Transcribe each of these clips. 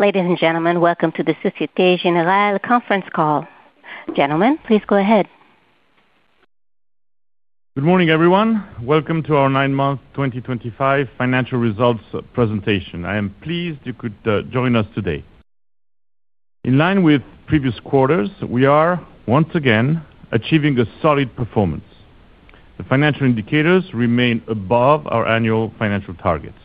Ladies and gentlemen, welcome to the Société Générale conference call. Gentlemen, please go ahead. Good morning, everyone. Welcome to our nine-month 2025 financial results presentation. I am pleased you could join us today. In line with previous quarters, we are once again achieving a solid performance. The financial indicators remain above our annual financial targets.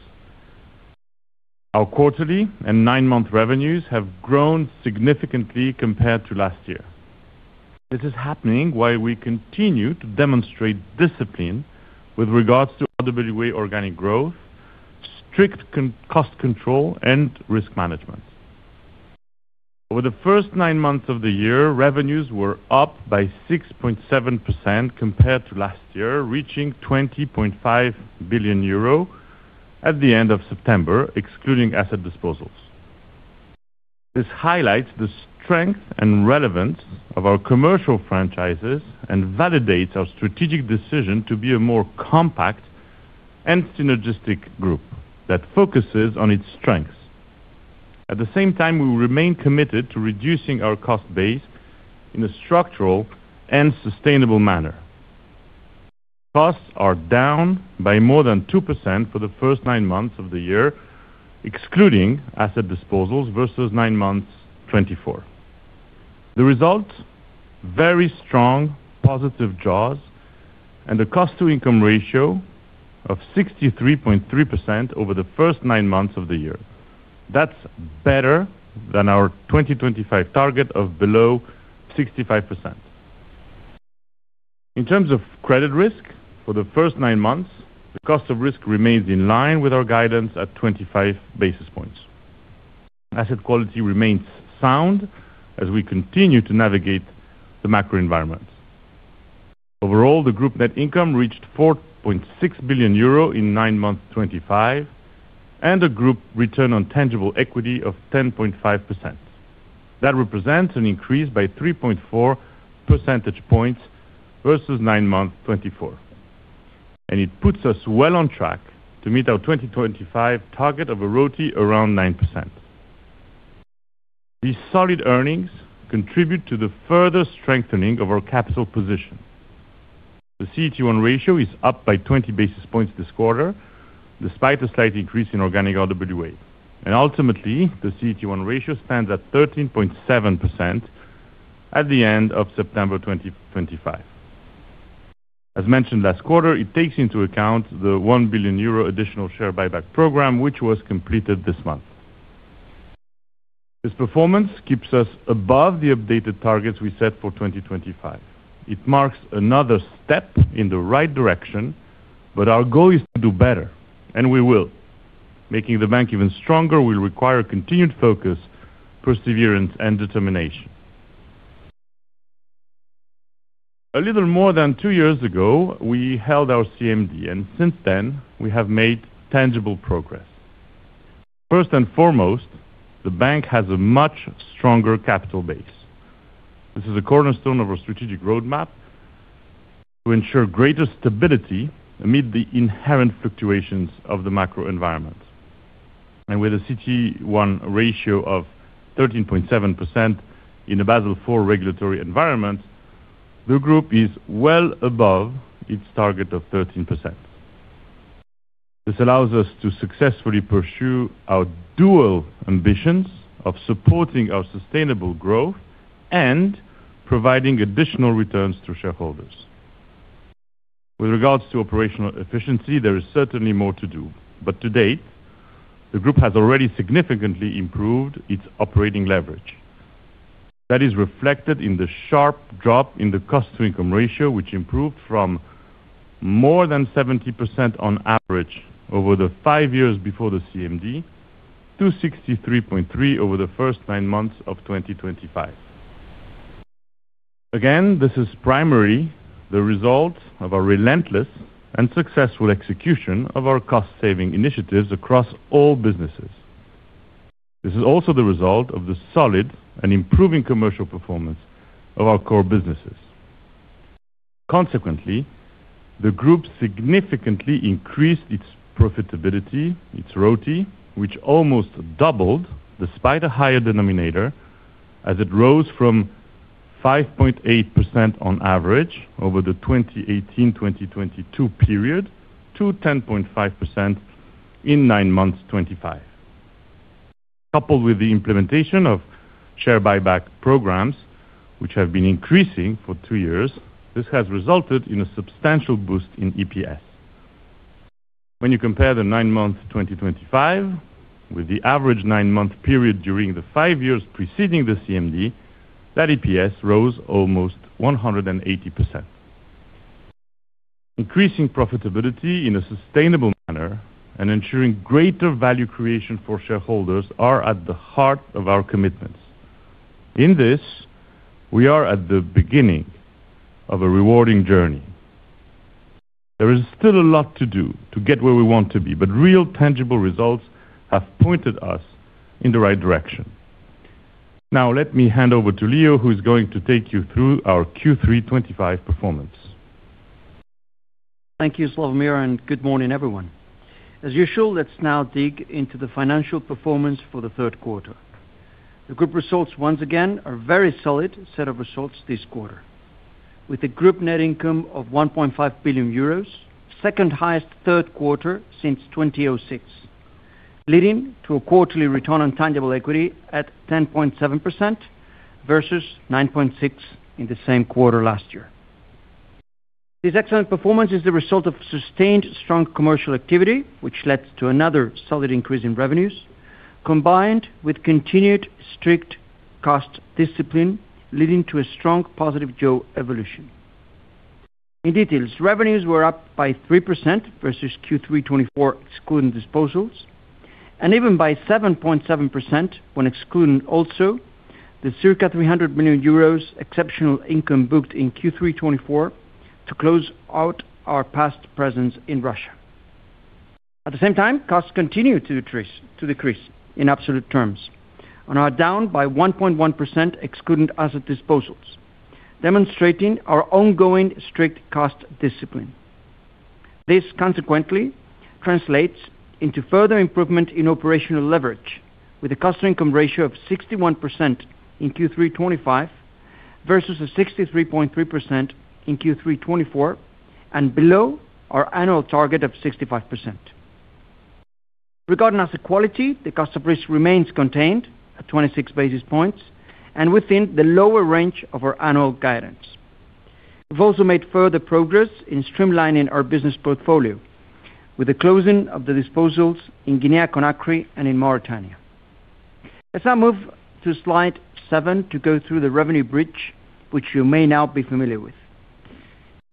Our quarterly and nine-month revenues have grown significantly compared to last year. This is happening while we continue to demonstrate discipline with regards to RWA, organic growth, strict cost control, and risk management. Over the first nine months of the year, revenues were up by 6.7% compared to last year, reaching 20.5 billion euro at the end of September, excluding asset disposals. This highlights the strength and relevance of our commercial franchises and validates our strategic decision to be a more compact and synergistic group that focuses on its strengths. At the same time, we remain committed to reducing our cost base in a structural and sustainable manner. Costs are down by more than 2% for the first nine months of the year, excluding asset disposals versus nine months 2024. The result? Very strong positive jaws and a cost-to-income ratio of 63.3% over the first nine months of the year. That's better than our 2025 target of below 65%. In terms of credit risk for the first nine months, the cost of risk remains in line with our guidance at 25 basis points. Asset quality remains sound as we continue to navigate the macro environment. Overall, the group net income reached 4.6 billion euro in nine months 2025 and the group return on tangible equity of 10.5%. That represents an increase by 3.4 percentage points versus nine months 2024 and it puts us well on track to meet our 2025 target of a ROTE around 9%. These solid earnings contribute to the further strengthening of our capital position. The CET1 ratio is up by 20 basis points this quarter despite a slight increase in organic RWA. Ultimately, the CET1 ratio stands at 13.7% at the end of September 2025. As mentioned last quarter, it takes into account the 1 billion euro additional share buyback program which was completed this month. This performance keeps us above the updated targets we set for 2025. It marks another step in the right direction. Our goal is to do better, and we will. Making the bank even stronger will require continued focus, perseverance, and determination. A little more than two years ago we held our CMD, and since then we have made tangible progress. First and foremost, the bank has a much stronger capital base. This is a cornerstone of our strategic roadmap to ensure greater stability amid the inherent fluctuations of the macro environment, and with a CET1 ratio of 13.7% in a Basel IV regulatory environment, the Group is well above its target of 13%. This allows us to successfully pursue our dual ambitions of supporting our sustainable growth and providing additional returns to shareholders. With regards to operational efficiency, there is certainly more to do, but to date the Group has already significantly improved its operating leverage. That is reflected in the sharp drop in the cost-to-income ratio, which improved from more than 70% on average over the five years before the CMD to 63.3% over the first nine months of 2025. Again, this is primarily the result of our relentless and successful execution of our cost saving initiatives across all businesses. This is also the result of the solid and improving commercial performance of our core businesses. Consequently, the Group significantly increased its profitability, its ROTE which almost doubled despite a higher denominator as it rose from 5.8% on average over the 2018-2022 period to 10.5% in nine months 2025. Coupled with the implementation of share buyback programs which have been increasing for two years, this has resulted in a substantial boost in EPS. When you compare the nine months 2025 with the average nine-month period during the five years preceding the CMD, that EPS rose almost 180%. Increasing profitability in a sustainable manner and ensuring greater value creation for shareholders are at the heart of our commitments. In this, we are at the beginning of a rewarding journey. There is still a lot to do to get where we want to be, but real tangible results have pointed us in the right direction. Now let me hand over to Leo who is going to take you through our Q3 2025 performance. Thank you Slawomir and good morning everyone. As usual, let's now dig into the financial performance for the third quarter. The Group results once again are a very solid set of results this quarter with a group net income of 1.5 billion euros, second highest third quarter since 2006, leading to a quarterly return on tangible equity at 10.7% versus 9.6% in the same quarter last year. This excellent performance is the result of sustained strong commercial activity which led to another solid increase in revenues combined with continued strict cost discipline leading to a strong positive jaw evolution. In details, revenues were up by 3% versus Q3 2024 excluding disposals and even by 7.7% when excluding also the circa 300 million euros exceptional income booked in Q3 2024 to close out our past presence in Russia. At the same time, costs continue to decrease in absolute terms and are down by 1.1% excluding asset disposals, demonstrating our ongoing strict cost discipline. This consequently translates into further improvement in operational leverage with a cost-to-income ratio of 61% in Q3 2025 versus 63.3% in Q3 2024 and below our annual target of 65%. Regarding asset quality, the cost of risk remains contained at 26 basis points and within the lower range of our annual guidance. We've also made further progress in streamlining our business portfolio with the closing of the disposals in Guinea, Conakry and in Mauritania. As I move to slide seven to go through the revenue bridge which you may now be familiar with,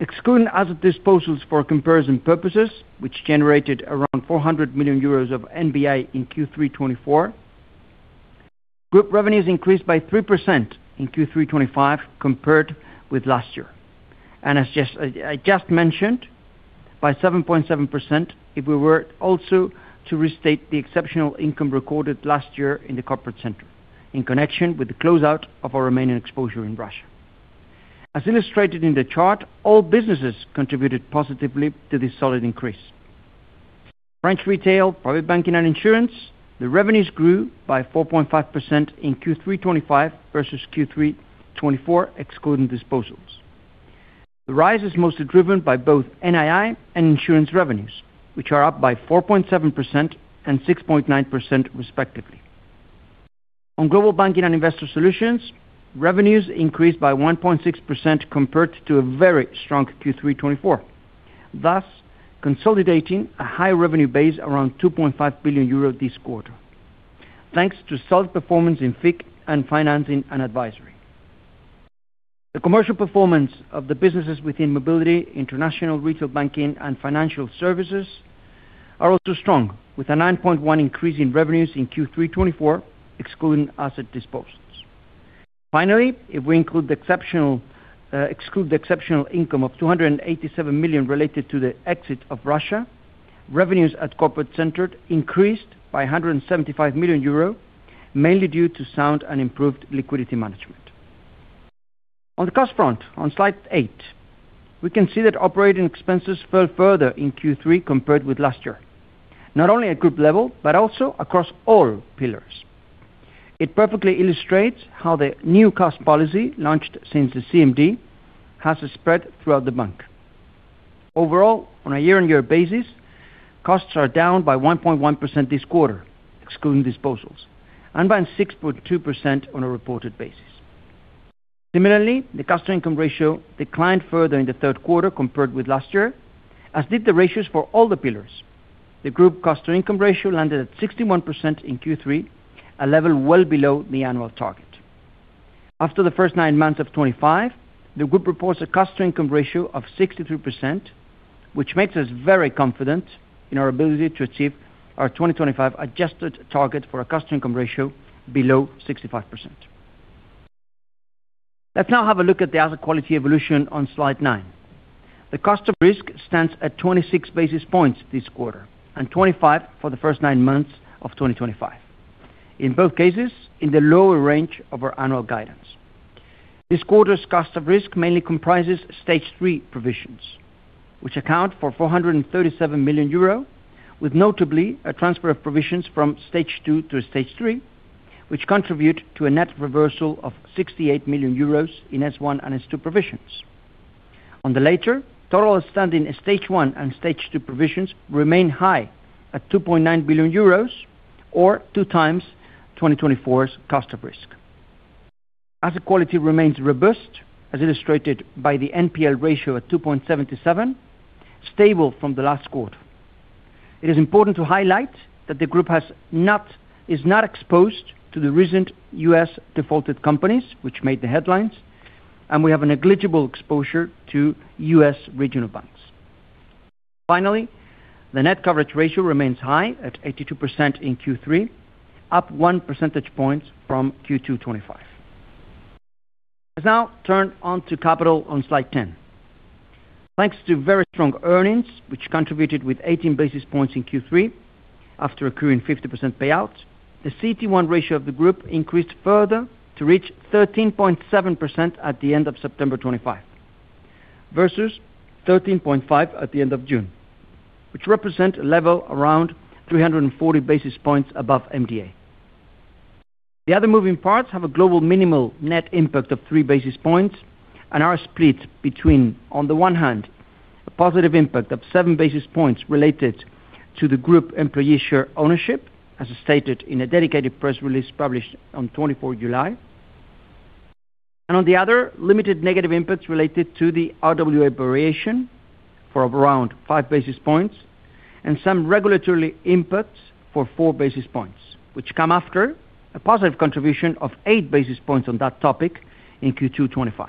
excluding asset disposals for comparison purposes, which generated around 400 million euros of NBI in Q3 2024, group revenues increased by 3% in Q3 2025 compared with last year and as I just mentioned, by 7.7% if we were also to restate the exceptional income recorded last year in the Corporate Centre in connection with the closeout of our remaining exposure in Russia. As illustrated in the chart, all businesses contributed positively to this solid increase. French Retail, Private Banking and Insurance. The revenues grew by 4.5% in Q3 2025 versus Q3 2024 excluding disposals. The rise is mostly driven by both NII and insurance revenues which are up by 4.7% and 6.9% respectively. On Global Banking and Investor Solutions, revenues increased by 1.6% compared to a very strong Q3 2024, thus consolidating a high revenue base around 2.5 billion euro this quarter thanks to solid performance in FIC and Financing and Advisory. The commercial performance of the businesses within Mobility, International Retail Banking, and Financial Services are also strong with a 9.1% increase in revenues in Q3 2024 excluding asset disposals. Finally, if we exclude the exceptional income of 287 million related to the exit of Russia, revenues at Corporate Center increased by 175 million euro mainly due to sound and improved liquidity management. On the cost front, on slide 8, we can see that operating expenses fell further in Q3 compared with last year, not only at group level but also across all pillars. It perfectly illustrates how the new cost policy launched since the CMD has spread throughout the bank. Overall, on a year-on-year basis, costs are down by 1.1% this quarter excluding disposals and by 6.2% on a reported basis. Similarly, the cost-to-income ratio declined further in the third quarter compared with last year, as did the ratios for all the pillars. The group cost-to-income ratio landed at 61% in Q3, a level well below the annual target. After the first nine months of 2025, the group reports a cost-to-income ratio of 63%, which makes us very confident in our ability to achieve our 2025 adjusted target for a cost-to-income ratio below 65%. Let's now have a look at the asset quality evolution on slide 9. The cost of risk stands at 26 basis points this quarter and 25 for the first nine months of 2025, in both cases in the lower range of our annual guidance. This quarter's cost of risk mainly comprises stage three provisions which account for 437 million euro, with notably a transfer of provisions from stage two to stage three which contribute to a net reversal of 68 million euros in S1 and S2 provisions on the latter. Total outstanding stage one and stage two provisions remain high at 2.9 billion euros or two times 2024's cost of risk. Asset quality remains robust as illustrated by the NPL ratio at 2.77, stable from the last quarter. It is important to highlight that the group is not exposed to the recent U.S. decision defaulted companies which made the headlines and we have a negligible exposure to U.S. regional banks. Finally, the net coverage ratio remains high at 82% in Q3, up 1 percentage point from Q2 2025. Let's now turn on to capital on slide 10. Thanks to very strong earnings which contributed with 18 basis points in Q3 after accruing 50% payout, the CET1 ratio of the group increased further to reach 13.7% at the end of September 2025 versus 13.5% at the end of June, which represents a level around 340 basis points above MDA. The other moving parts have a global minimal net impact of 3 basis points and are split between, on the one hand, a positive impact of 7 basis points related to the group employee share ownership as stated in a dedicated press release published on 24 July, and on the other, limited negative impacts related to the RWA variation for around 5 basis points and some regulatory impacts for 4 basis points, which come after a positive contribution of 8 basis points on that topic in Q2 2025,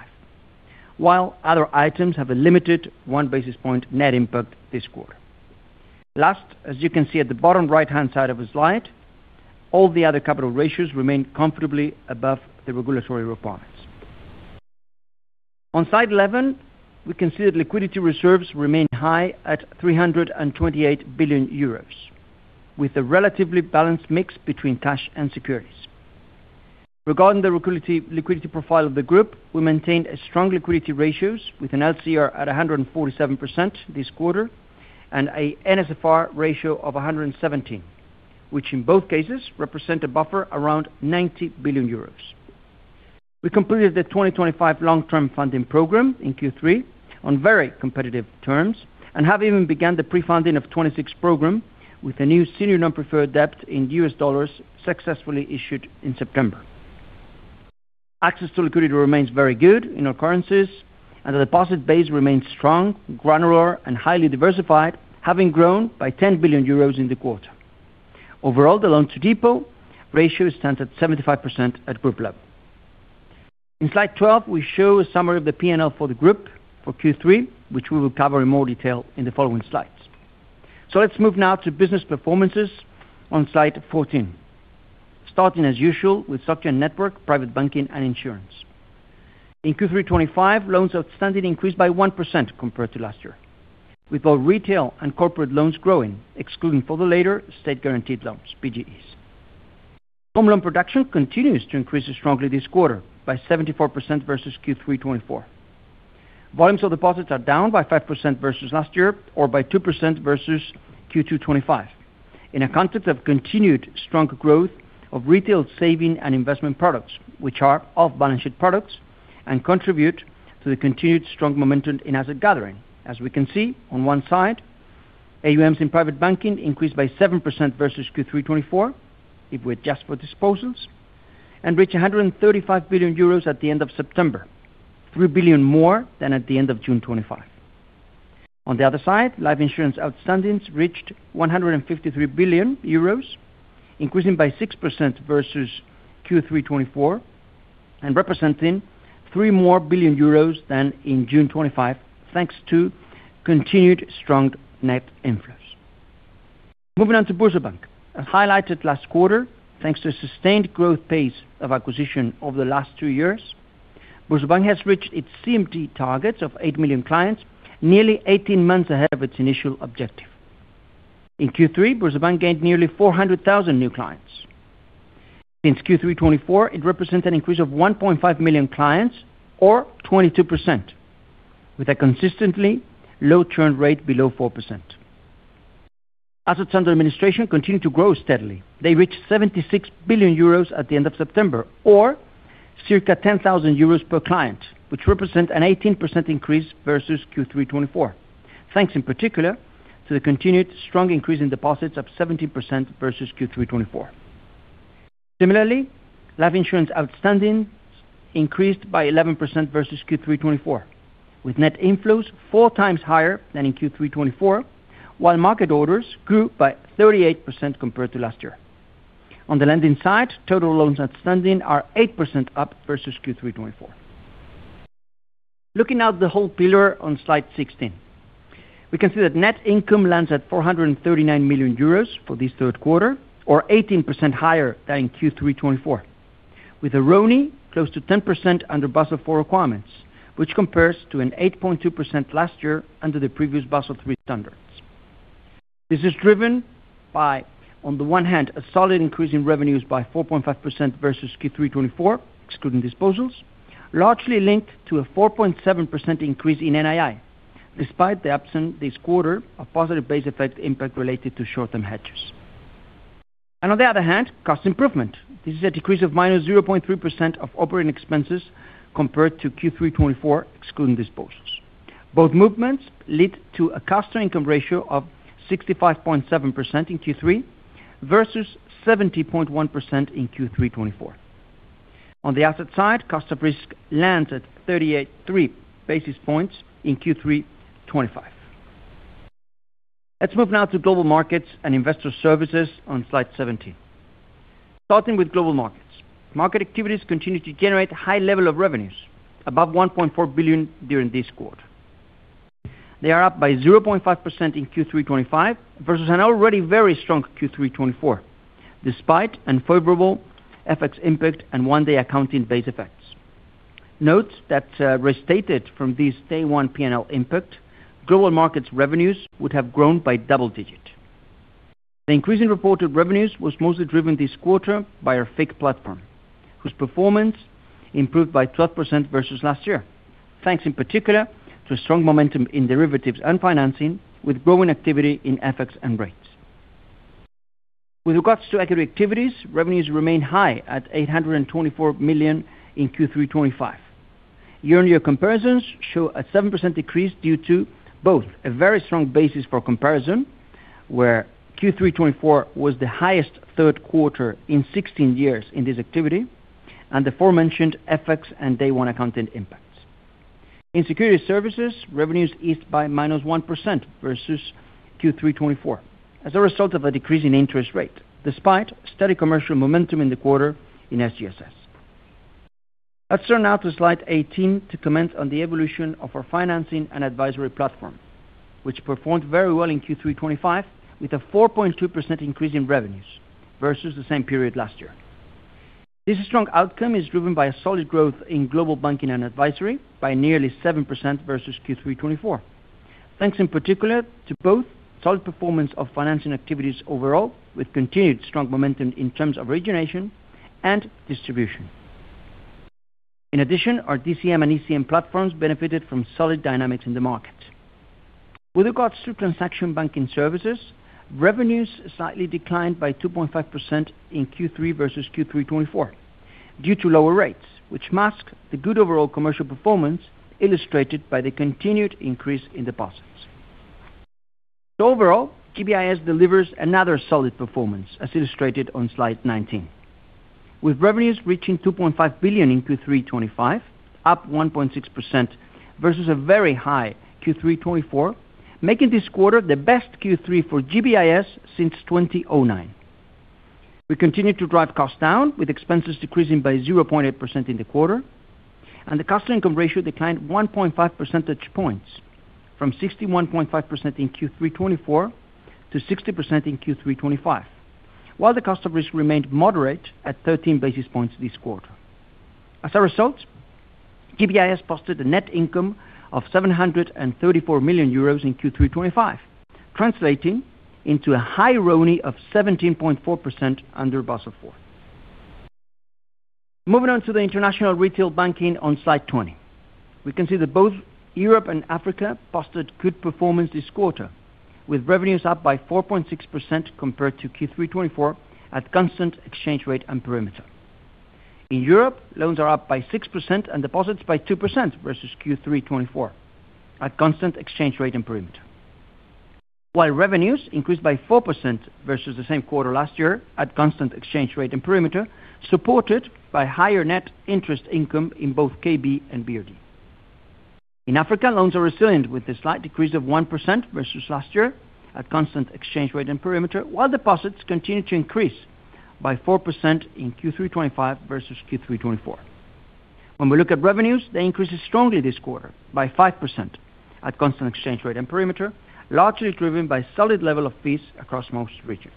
while other items have a limited 1 basis point net impact this quarter. Last, as you can see at the bottom right-hand side of the slide, all the other capital ratios remain comfortably above the regulatory requirements. On slide 11, we can see that liquidity reserves remain high at 328 billion euros with a relatively balanced mix between cash and securities. Regarding the liquidity profile of the group, we maintained strong liquidity ratios with an LCR at 147% this quarter and an NSFR ratio of 117%, which in both cases represent a buffer around 90 billion euros. We completed the 2025 Long Term Funding Program in Q3 on very competitive terms and have even begun the pre-funding of the 2026 program with a new senior non-preferred debt in U.S. dollars successfully issued in September. Access to liquidity remains very good in all currencies and the deposit base remains strong, granular, and highly diversified, having grown by 10 billion euros in the quarter. Overall, the loan to deposit ratio stands at 75% at group level. In slide 12, we show a summary of the P&L for the group for Q3, which we will cover in more detail in the following slides. Let's move now to business performances on slide 14, starting as usual with Société Network Private Banking and Insurance in Q3 2025. Loans outstanding increased by 1% compared to last year, with both retail and corporate loans growing, excluding for the latter state-guaranteed loans. Home loan production continues to increase strongly this quarter by 74% versus Q3 2024. Volumes of deposits are down by 5% versus last year or by 2% versus Q2 2025 in a context of continued strong growth of retail saving and investment products, which are off balance sheet products and contribute to the continued strong momentum in asset gathering. As we can see, on one side AUMs in Private Banking increased by 7% versus Q3 2024 if we adjust for disposals and reached 135 billion euros at the end of September, 3 billion more than at the end of June 2025. On the other side, life insurance outstandings reached 153 billion euros, increasing by 6% versus Q3 2024 and representing 3 billion euros more than in June 2025 thanks to continued strong net inflows. Moving on to BoursoBank, as highlighted last quarter, thanks to a sustained growth pace of acquisition over the last two years, BoursoBank has reached its CMD targets of 8 million clients nearly 18 months ahead of its initial objective. In Q3, BoursoBank gained nearly 400,000 new clients since Q3 2024. It represents an increase of 1.5 million clients or 22%, with a consistently low churn rate below 4%. Assets under administration continue to grow steadily. They reached 76 billion euros at the end of September or circa 10,000 euros per client, which represents an 18% increase versus Q3 2024 thanks in particular to the continued strong increase in deposits of 7.17% versus Q3 2024. Similarly, life insurance outstanding increased by 11% versus Q3 2024 with net inflows four times higher than in Q3 2024 while market orders grew by 38% compared to last year. On the lending side, total loans outstanding are 8% up versus Q3 2024. Looking at the whole pillar on slide 16, we can see that net income lands at 439 million euros for this third quarter or 18% higher than in Q3 2024 with a ROTE close to 10% under Basel IV requirements, which compares to 8.2% last year under the previous Basel III standards. This is driven by, on the one hand, a solid increase in revenues by 4.5% versus Q3 2024 excluding disposals, largely linked to a 4.7% increase in NII despite the absence this quarter of positive base effect related to short term hedges, and on the other hand, cost improvement. This is a decrease of -0.3% of operating expenses compared to Q3 2024 excluding disposals. Both movements lead to a cost-to-income ratio of 65.7% in Q3 versus 70.1% in Q3 2024. On the asset side, cost of risk landed at 38.3 basis points in Q3 2025. Let's move now to Global Markets and Investor Services on slide 17. Starting with Global Markets, market activities continue to generate high level of revenues above 1.4 billion during this quarter. They are up by 0.5% in Q3 2025 versus an already very strong Q3 2024 despite unfavorable FX impact and one day accounting base effects. Note that restated from this day one P&L impact, Global Markets revenues would have grown by double digit. The increase in reported revenues was mostly driven this quarter by our FICC platform, whose performance improved by 12% versus last year, thanks in particular to a strong momentum in derivatives and financing with growing activity in FX and rates. With regards to equity activities, revenues remain high at 824 million in Q3 2025. Year on year comparisons show a 7% decrease due to both a very strong basis for comparison, where Q3 2024 was the highest third quarter in 16 years in this activity, and the aforementioned FX and day one accounting impacts. In Securities Services, revenues eased by -1% versus Q3 2024 as a result of a decrease in interest rate despite steady commercial momentum in the quarter in SGSS. Let's turn now to slide 18 to comment on the evolution of our Financing and Advisory platform, which performed very well in Q3 2025 with a 4.2% increase in revenues versus the same period last year. This strong outcome is driven by a solid growth in Global Banking and Advisory by nearly 7% versus Q3 2024, thanks in particular to both solid performance of financing activities overall with continued strong momentum in terms of origination and distribution. In addition, our DCM and ECM platforms benefited from solid dynamics in the market. With regards to Transaction Banking services, revenues slightly declined by 2.5% in Q3 versus Q3 2024 due to lower rates, which mask the good overall commercial performance illustrated by the continued increase in deposits. Overall, GBIS delivers another solid performance as illustrated on slide 19, with revenues reaching 2.5 billion in Q3 2025, up 1.6% versus a very high Q3 2024, making this quarter the best Q3 for GBIS since 2009. We continued to drive costs down with expenses decreasing by 0.8% in the quarter, and the cost-to-income ratio declined 1.5 percentage points from 61.5% in Q3 2024 to 60% in Q3 2025, while the cost of risk remained moderate at 13 basis points this quarter. As a result, KPIs posted a net income of 734 million euros in Q3 2025, translating into a high RONI of 17.4% under Basel IV. Moving on to the International Retail Banking on slide 20, we can see that both Europe and Africa posted good performance this quarter with revenues up by 4.6% compared to Q3 2024 at constant exchange rate and perimeter. In Europe, loans are up by 6% and deposits by 2% versus Q3 at constant exchange rate and perimeter, while revenues increased by 4% versus the same quarter last year at constant exchange rate and perimeter, supported by higher net interest income in both KB and BRD. In Africa, loans are resilient with a slight decrease of 1% versus last year at constant exchange rate and perimeter, while deposits continue to increase by 4% in Q3 2025 versus Q3 2024. When we look at revenues, they increased strongly this quarter by 5% at constant exchange rate and perimeter, largely driven by solid level of fees across most regions.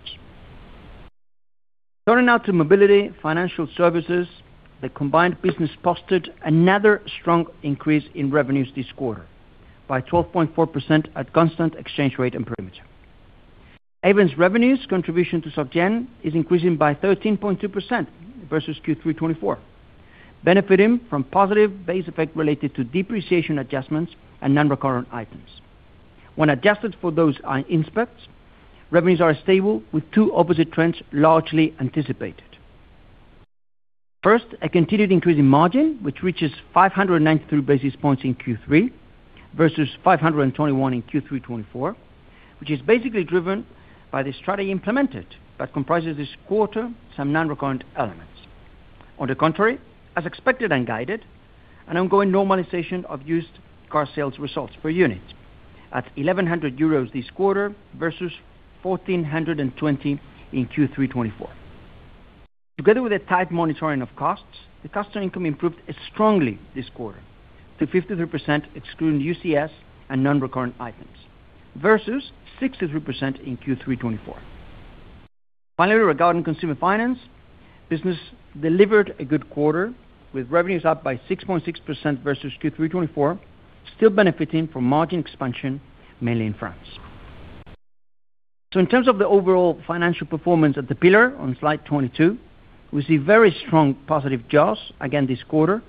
Turning now to Mobility Financial Services, the combined business posted another strong increase in revenues this quarter by 12.4% at constant exchange rate and perimeter. ALD's revenues contribution to Société Générale is increasing by 13.2% versus Q3 2024, benefiting from positive base effect related to depreciation adjustments and non-recurrent items. When adjusted for those impacts, revenues are stable with two opposite trends largely anticipated. First, a continued increase in margin which reaches 593 basis points in Q3 versus 521 in Q3 2024, which is basically driven by the strategy implemented but comprises this quarter some non-recurrent elements. On the contrary, as expected and guided, an ongoing normalization of used car sales results per unit at 1,100 euros this quarter versus 1,420 in Q3 2024. Together with a tight monitoring of costs, the customer income improved strongly this quarter to 53% excluding UCs and non-recurrent items versus 63% in Q3 2024. Finally, regarding Consumer Finance, the business delivered a good quarter with revenues up by 6.6% versus Q3 2024, still benefiting from margin expansion mainly in France. In terms of the overall financial performance at the pillar on slide 22, we see very strong positive jaws again this quarter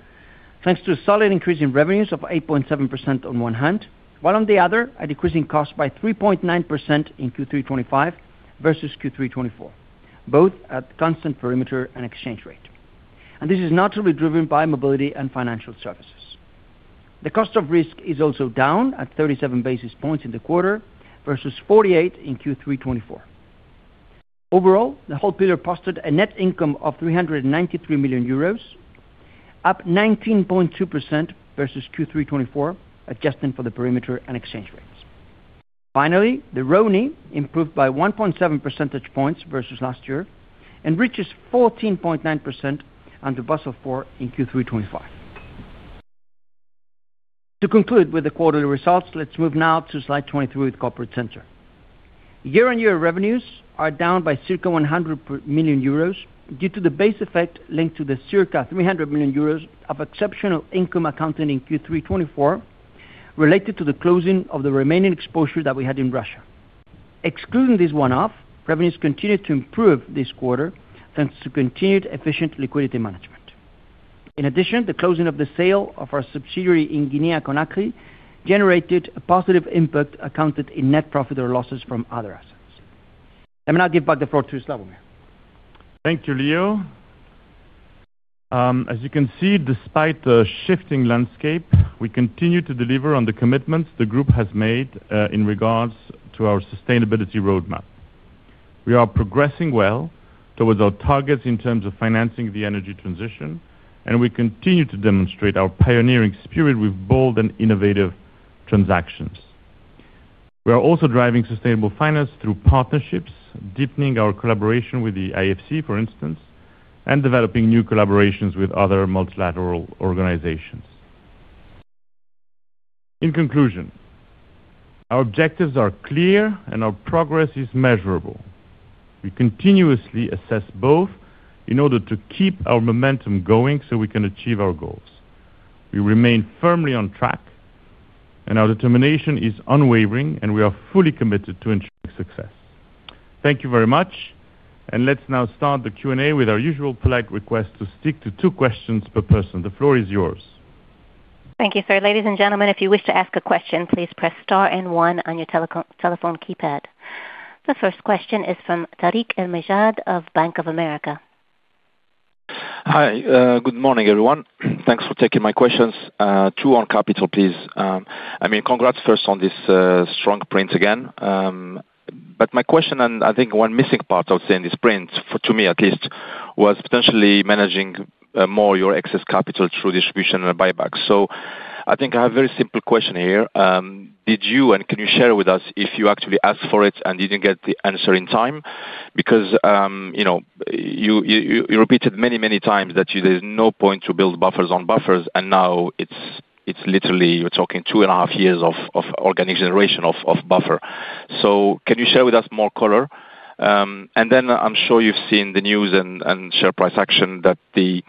thanks to a solid increase in revenues of 8.7% on one hand, while on the other a decreasing cost by 3.9% in Q3 2025 versus Q3 2024, both at constant perimeter and exchange rate, and this is naturally driven by Mobility and Financial Services. The cost of risk is also down at 37 basis points in the quarter versus 48 in Q3 2024. Overall, the whole pillar posted a net income of 393 million euros, up 19.2% versus Q3 2024, adjusting for the perimeter and exchange rates. Finally, the ROTE improved by 1.7 percentage points versus last year and reaches 14.9% under Basel IV in Q3 2025. To conclude with the quarterly results, let's move now to slide 23 with Corporate Center. Year on year, revenues are down by circa 100 million euros due to the base effect linked to the circa 300 million euros of exceptional income accounted in Q3 2024 related to the closing of the remaining exposure that we had in Russia. Excluding this one-off, revenues continued to improve this quarter thanks to continued efficient liquidity management. In addition, the closing of the sale of our subsidiary in Guinea Conakry generated a positive impact accounted in net profit or losses from other assets. Let me now give back the floor to Slawomir. Thank you, Leo. As you can see, despite the shifting landscape, we continue to deliver on the commitments the group has made in regards to our sustainability roadmap. We are progressing well towards our targets in terms of financing the energy transition, and we continue to demonstrate our pioneering spirit with bold and independent innovative transactions. We are also driving sustainable finance through partnerships, deepening our collaboration with the IFC, for instance, and developing new collaborations with other multilateral organizations. In conclusion, our objectives are clear and our progress is measurable. We continuously assess both in order to keep our momentum going so we can achieve our goal. We remain firmly on track and our determination is unwavering. We are fully committed to ensuring success. Thank you very much. Let's now start the Q&A with our usual polite request to stick to two questions per person. The floor is yours. Thank you, sir. Ladies and gentlemen, if you wish to ask a question, please press star and one on your telephone keypad. The first question is from Tariq El Mejjad of Bank of America. Hi, good morning everyone. Thanks for taking my questions. Two on capital, please. Congrats first on this strong print again. My question, and I think one missing part I would say in this print, to me at least, was potentially managing more your excess capital through distribution and buybacks. I think I have a very simple question here. Did you, and can you share with us if you actually asked for it and didn't get the answer in time because you know, you repeated many, many times that there's no point to build buffers on buffers, and now it's literally you're talking two and a half years of organic generation of buffer. Can you share with us more color? I'm sure you've seen the news and share price action that the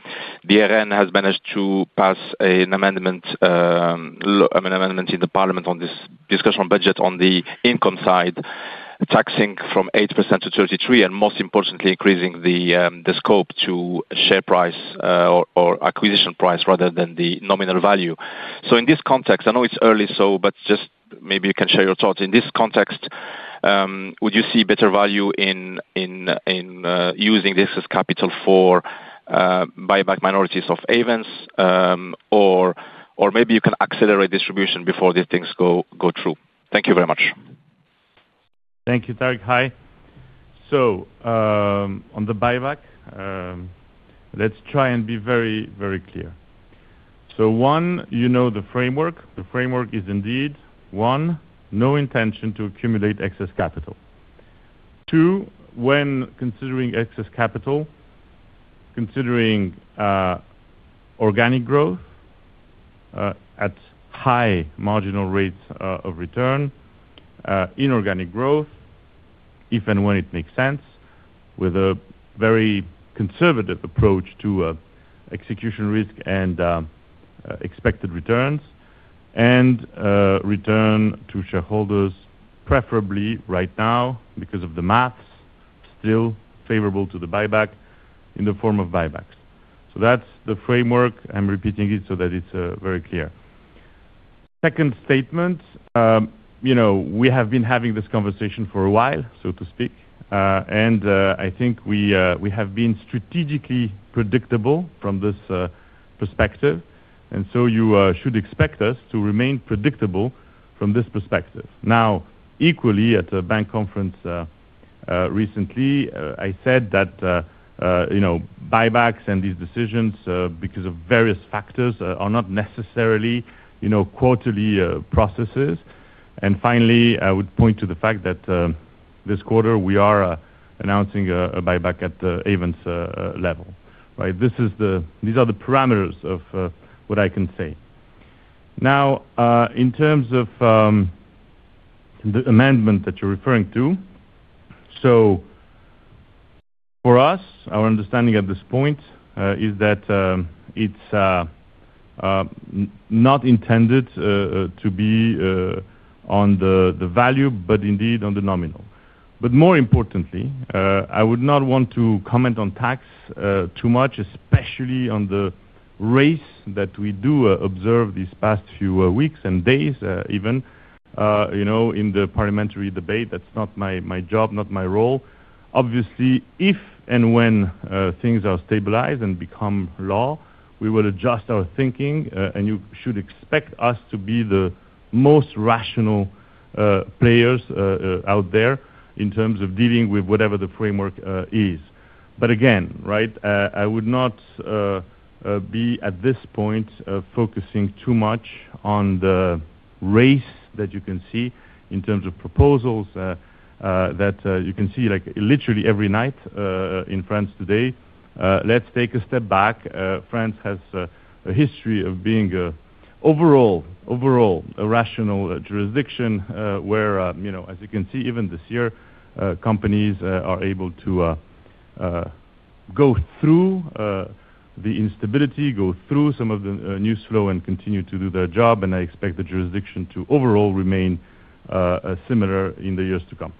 IRN has managed to pass an amendment in the parliament on this discussion budget on the income side, taxing from 8% to 33% and, most importantly, increasing the scope to price or acquisition price rather than the nominal value. In this context, I know it's early, but maybe you can share your thoughts. In this context, would you see better value in using this as capital for buyback minorities of Ayvens, or maybe you can accelerate distribution before these things go through. Thank you very much. Thank you. Hi. On the buyback, let's try and be very, very clear. One, the framework is indeed one, no intention to accumulate excess capital. Two, when considering excess capital, considering organic growth at high marginal rates of return, inorganic growth if and when it makes sense, with a very conservative approach to execution risk and expected returns and return to shareholders, preferably right now, because of the maths still favorable to the buyback in the form of buybacks. That's the framework, I'm repeating it so that it's very clear. Second statement, we have been having this conversation for a while, so to speak, and I think we have been strategically predictable from this perspective. You should expect us to remain predictable from this perspective. Equally, at a bank conference recently, I said that buybacks and these decisions because of various factors are not necessarily quarterly processes. Finally, I would point to the fact that this quarter we are announcing a buyback at the Ayvens level. These are the parameters of what I can say now in terms of the amendment that you're referring to. For us, our understanding at this point is that it's not intended to be on the value, but indeed on the nominal. More importantly, I would not want to comment on tax too much, especially on the rates that we do observe these past few weeks and days, even in the parliamentary debate. That's not my job, not my role. Obviously, if and when things are stabilized and become law, we will adjust our thinking and you should expect us to be the most rational players out there in terms of dealing with whatever the framework is. Again, I would not be at this point focusing too much on the rates that you can see in terms of proposals that you can see like literally every night in France today. Let's take a step back. France has a history of being overall, overall rational jurisdiction where, as you can see even this year, companies are able to go through the instability, go through some of the news flow and continue to do their job. I expect the jurisdiction to overall remain similar in the years to come.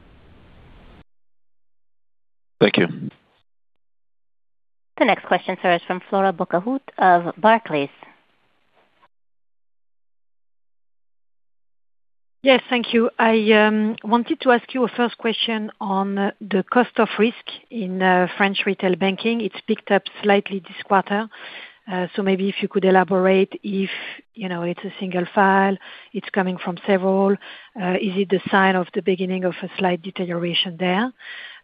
Thank you. The next question, sir, is from Flora Bocahut of Barclays. Yes, thank you. I wanted to ask you a first question on the cost of risk in French Retail Banking. It's picked up slightly this quarter. If you could elaborate if you know it's a single file, it's coming from several. Is it the sign of the beginning of a slight deterioration there?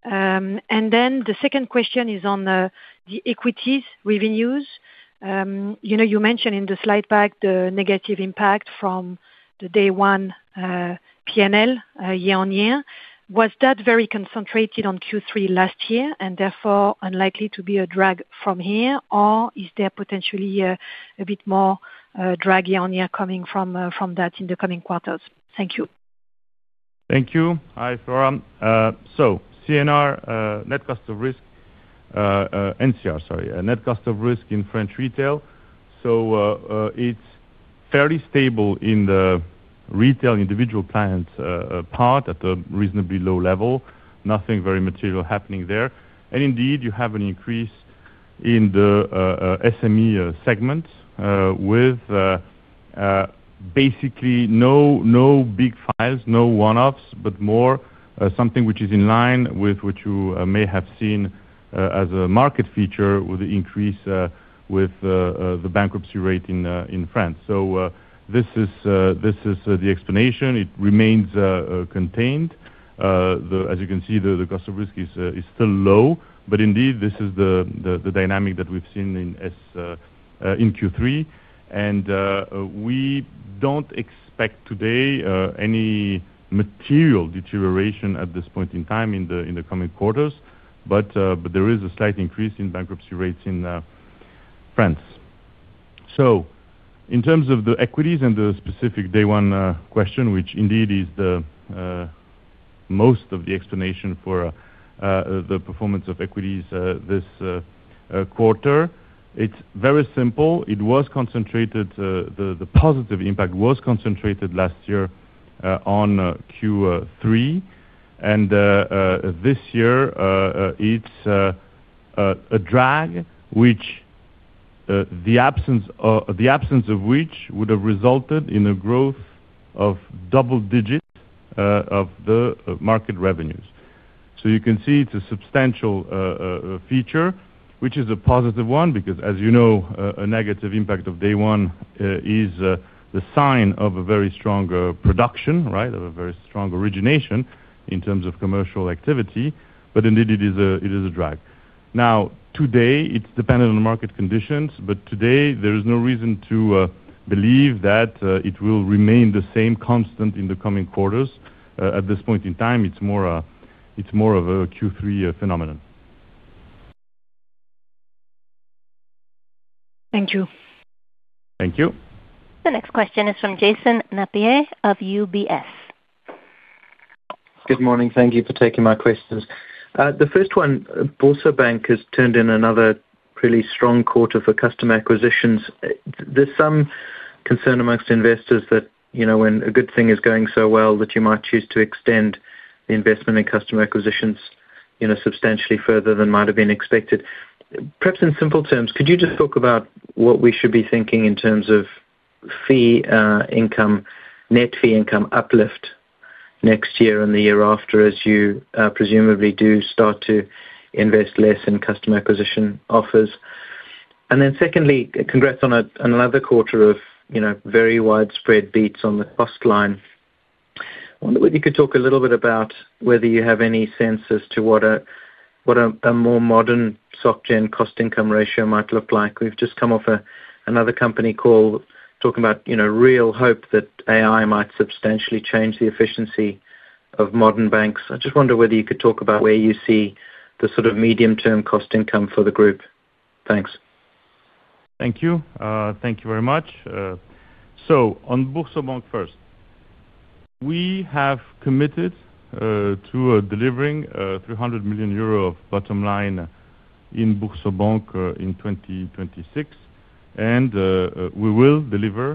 The second question is on the equities revenues. You mentioned in the slide back the negative impact from the day one P&L year-on-year. Was that very concentrated on Q3 last year and therefore unlikely to be a drag from here or is there potentially a bit more drag year on year coming from that in the coming quarters? Thank you. Thank you. Hi Floran. So, net cost of risk, sorry, net cost of risk in French Retail. It's fairly stable in the retail individual client part at a reasonably low level. Nothing very material happening there. Indeed, you have an increase in the SME segment with basically no big files, no one-offs, but more something which is in line with what you may have seen as a market feature with the increase in the bankruptcy rate in France. This is the explanation, it remains contained. As you can see, the cost of risk is still low. Indeed, this is the dynamic that we've seen in Q3 and we don't expect today any material deterioration at this point in time in the coming quarters, but there is a slight increase in bankruptcy rates in France. In terms of the equities and the specific day one question, which indeed is most of the explanation for the performance of equities this quarter, it's very simple. It was concentrated, the positive impact was concentrated last year on Q3 and this year it's a drag, which the absence of which would have resulted in a growth of double digit of the market revenues. You can see it's a substantial feature, which is a positive one because, as you know, a negative impact of day one is the sign of a very strong production, right, of a very strong origination in terms of commercial activity. Indeed, it is a drag. Now, today it's dependent on market conditions, but today there is no reason to believe that it will remain the same constant in the coming quarters. At this point in time, it's more of a Q3 phenomenon. Thank you. Thank you. The next question is from Jason Napier of UBS. Good morning. Thank you for taking my questions. The first one, BoursoBank has turned. In another really strong quarter for customer acquisitions, there's some concern amongst investors that when a good thing is going so well that you might choose to extend the investment in customer acquisitions substantially further than might have been expected. Perhaps in simple terms, could you just talk about what we should be thinking in terms of net fee income uplift next year and the year after as you presumably do start to invest less in customer acquisition offers. Secondly, congrats on another quarter of very widespread beats on the cost line. Wonder if you could talk a little bit about whether you have any sense as to what a more modern Société cost-to-income ratio might look like. We've just come off another company called talking about real hope that AI might substantially change the efficiency of modern banks. I just wonder whether you could talk about where you see the sort of medium-term cost-to-income for the group. Thank you. Thank you very much. First, we have committed to delivering 300 million euro bottom line in BoursoBank in 2026 and we will deliver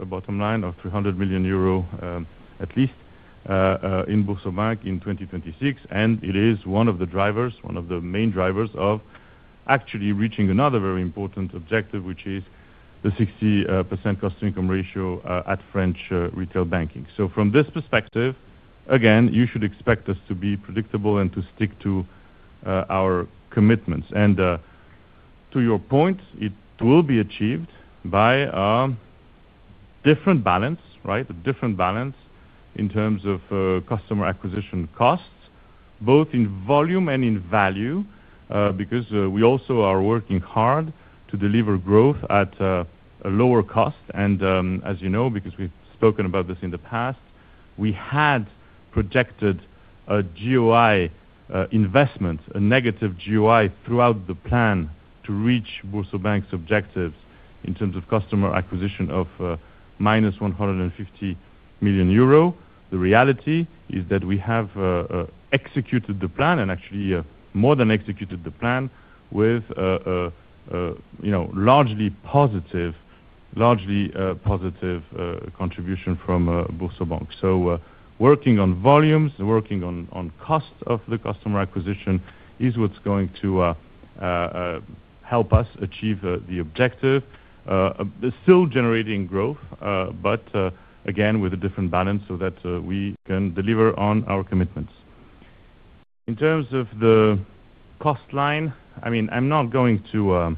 a bottom line of 300 million euro at least in BoursoBank in 2026. It is one of the drivers, one of the main drivers of actually reaching another very important objective, which is the 60% cost-to-income ratio at French Retail Banking. From this perspective, you should expect us to be predictable and to stick to our commitments. To your point, it will be achieved by different balance, right? A different balance in terms of customer acquisition costs, both in volume and in value, because we also are working hard to deliver growth at a lower cost. As you know, because we've spoken about this in the past, we had projected a GOI investment, a negative GOI throughout the plan, to reach BoursoBank's objectives in terms of customer acquisition of -150 million euro. The reality is that we have executed the plan and actually more than executed the plan with, you know, largely positive, largely positive contribution from BoursoBank. Working on volumes, working on cost of the customer acquisition is what's going to help us achieve the objective, still generating growth, but again, with a different balance so that we can deliver on our commitments in terms of the cost line. I'm not going to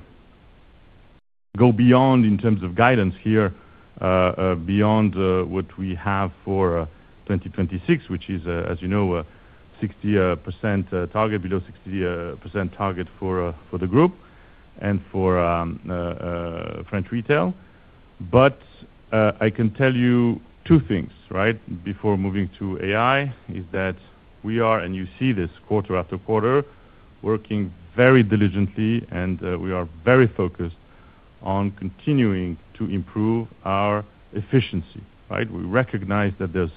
go beyond, in terms of guidance here, beyond what we have for 2026, which is, as you know, 60% target, below 60% target for the group and for French Retail. I can tell you two things right before moving to AI. We are, and you see this quarter after quarter, working very diligently and we are very focused on continuing to improve our efficiency. We recognize that there's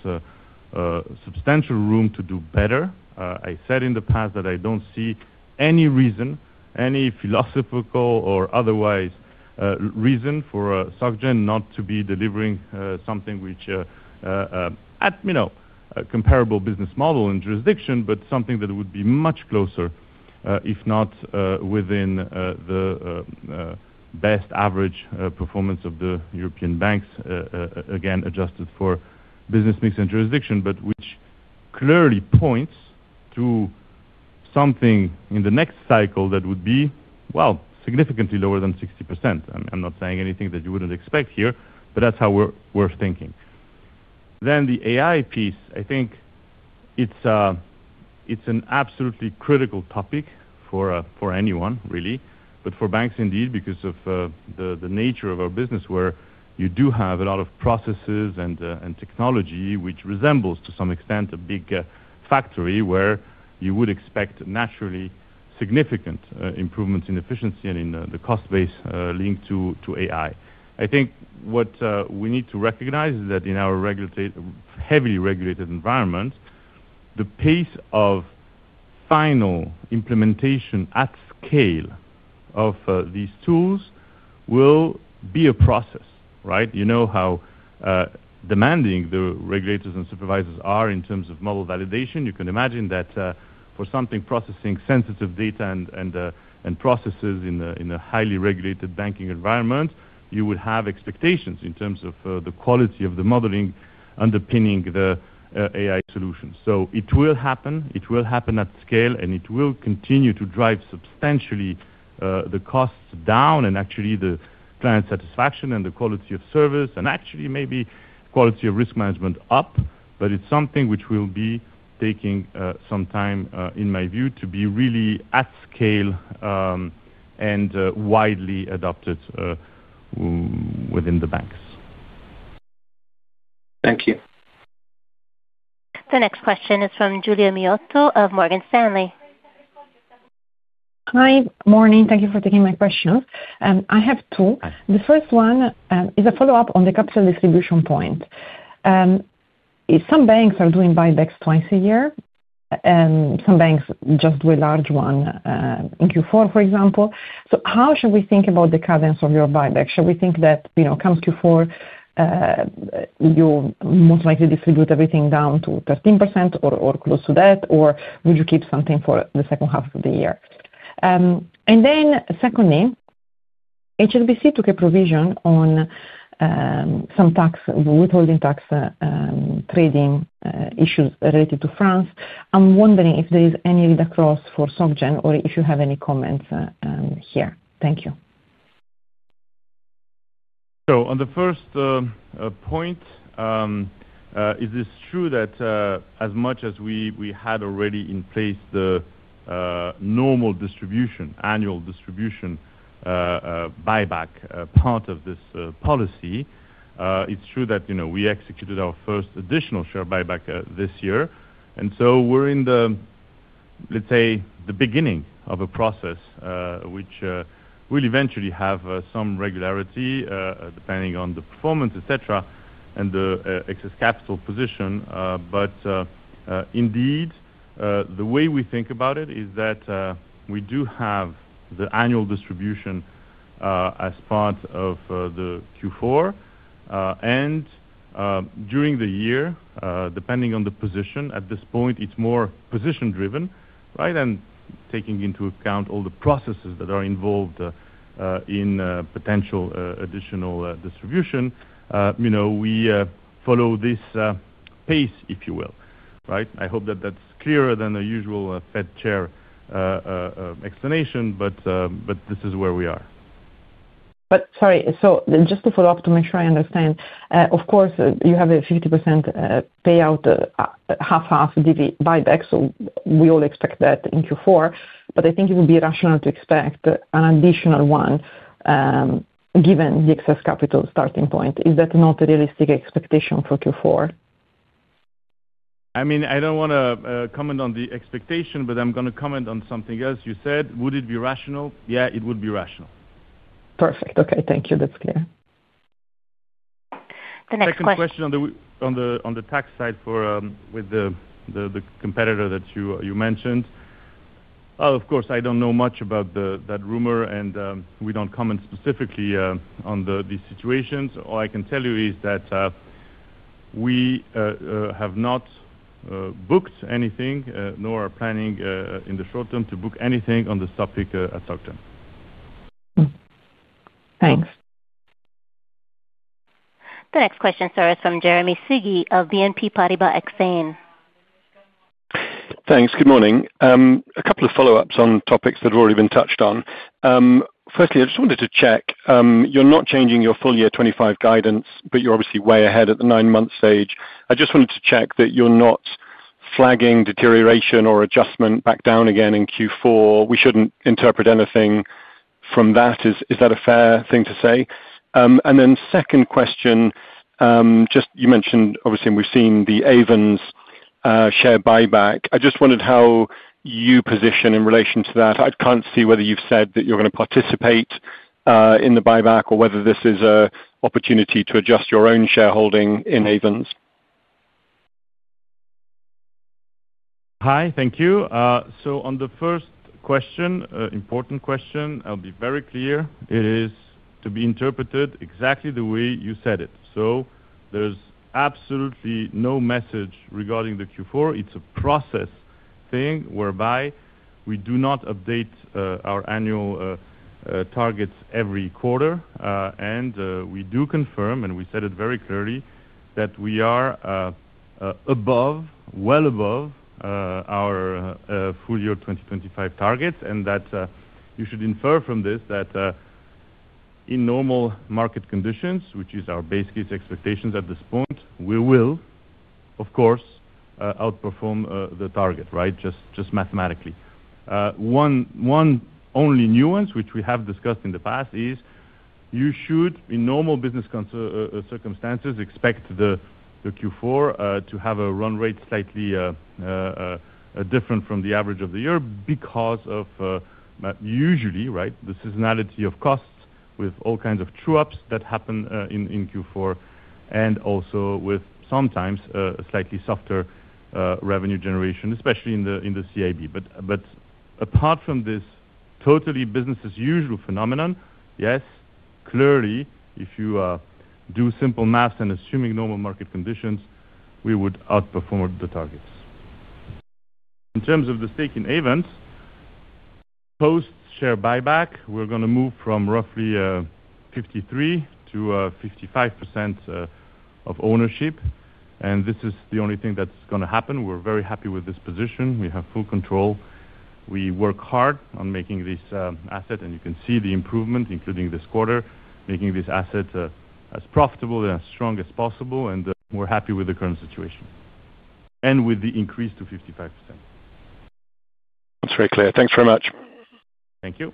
substantial room to do better. I said in the past that I don't see any reason, any philosophical or otherwise reason, for Société Générale not to be delivering something which, you know, comparable business model and jurisdiction, but something that would be much closer, if not within the best average performance of the European banks, again, adjusted for business mix and jurisdiction, but which clearly points to something in the next cycle that would be significantly lower than 60%. I'm not saying anything that you wouldn't expect here, but that's how we're thinking. Then the AI piece, I think it's an absolutely critical topic for anyone really, but for banks, indeed, because of the nature of our business, where you do have a lot of processes and technology which resembles to some extent a big factory, where you would expect naturally significant improvements in efficiency and in the cost base linked to AI. I think what we need to recognize is that in our heavily regulated environment, the pace of final implementation at scale of these tools will be a process. You know how demanding the regulators and supervisors are in terms of model validation. You can imagine that for something processing sensitive data and processes in a highly regulated banking environment, you would have expectations in terms of the quality of the modeling underpinning the AI solutions. It will happen, it will happen at scale and it will continue to drive substantially the costs down and actually the client satisfaction and the quality of service and actually maybe quality of risk management up. It's something which will be taking some time in my view to be really at scale and widely adopted within the banks. Thank you. The next question is from Giulia Miotto of Morgan Stanley. Hi, morning. Thank you for taking my questions. I have two. The first one is a follow-up on the capital distribution point. Some banks are doing buybacks twice a year. Some banks just do a large one in Q4, for example. How should we think about the cadence of your buyback? Should we think that come Q4, you most likely distribute everything down to 13% or close to that, or will you keep something for the second half of the year? Secondly, HSBC took a provision on some tax withholding, tax trading issues related to France. I'm wondering if there is any across for Société Générale or if you have any comments here. Thank you. On the first point, is this true that as much as we had already in place the normal distribution, annual distribution, buyback, part of this policy, it's true that, you know, we executed our first additional share buyback this year and we're in the, let's say, the beginning of a process which will eventually have some regularity depending on the performance, et cetera, and the excess capital position. Indeed, the way we think about it is that we do have the annual distribution as part of the Q4 and during the year depending on the position. At this point it's more position driven and taking into account all the processes that are involved in potential additional distribution. We follow this pace, if you will. I hope that that's clearer than the usual Fed Chair explanation. This is where we are. Sorry, just to follow up, to make sure I understand, of course you have a 50% payout, half, half buyback. We all expect that in Q4, but I think it would be rational to expect an additional one given the excess capital starting point. Is that not a realistic expectation for Q4? I mean, I don't want to comment on the expectation, but I'm going to comment on something else you said. Would it be rational? Yeah, it would be rational. Perfect. Okay, thank you. That's clear. The next question on the tax side with the competitor that you mentioned, of course I don't know much about that rumor and we don't comment specifically on these situations. All I can tell you is that we have not booked anything nor are planning in the short term to book anything on this topic at Société Générale. Thanks. The next question, sir, is from Jeremy Sigee of BNP Paribas Exane. Thanks. Good morning. A couple of follow-ups on topics that have already been touched on. Firstly, I just wanted to check you're not changing your full year 2025 guidance, but you're obviously way ahead at the nine-month stage. I just wanted to check that you're not flagging deterioration or adjustment back down again in Q4. We shouldn't interpret anything from that. Is that a fair thing to say? Second question, you mentioned obviously we've seen the Ayvens share buyback. I just wondered how you position in relation to that. I can't see whether you've said that you're going to participate in the buyback or whether this is an opportunity to adjust your own shareholding in Ayvens. Hi, thank you. On the first question, important question, I'll be very clear. It is to be interpreted exactly the way you said it. There's absolutely no message regarding the Q4. It's a process thing whereby we do not update our annual targets every quarter, and we do confirm, and we said it very clearly, that we are above, well above, our full year 2025 target and that you should infer from this that in normal market conditions, which is our base case expectations at this point, we will of course outperform the target. Right. Just mathematically. One only nuance which we have discussed in the past is you should, in normal business circumstances, expect the Q4 to have a run rate slightly different from the average of the year because of usually the seasonality of costs with all kinds of true-ups that happen in Q4 and also with sometimes a slightly softer revenue generation, especially in the CIB. Apart from this totally business-as-usual phenomenon, yes, clearly, if you do simple math and assuming normal market conditions, we would outperform the targets. In terms of the stake in Ayvens post share buyback, we're going to move from roughly 53%-55% of ownership, and this is the only thing that's going to happen. We're very happy with this position. We have full control. We work hard on making this asset, and you can see the improvement, including this quarter, making this asset as profitable and as strong as possible. We're happy with the current situation and with the increase to 55%. That's very clear. Thanks very much. Thank you.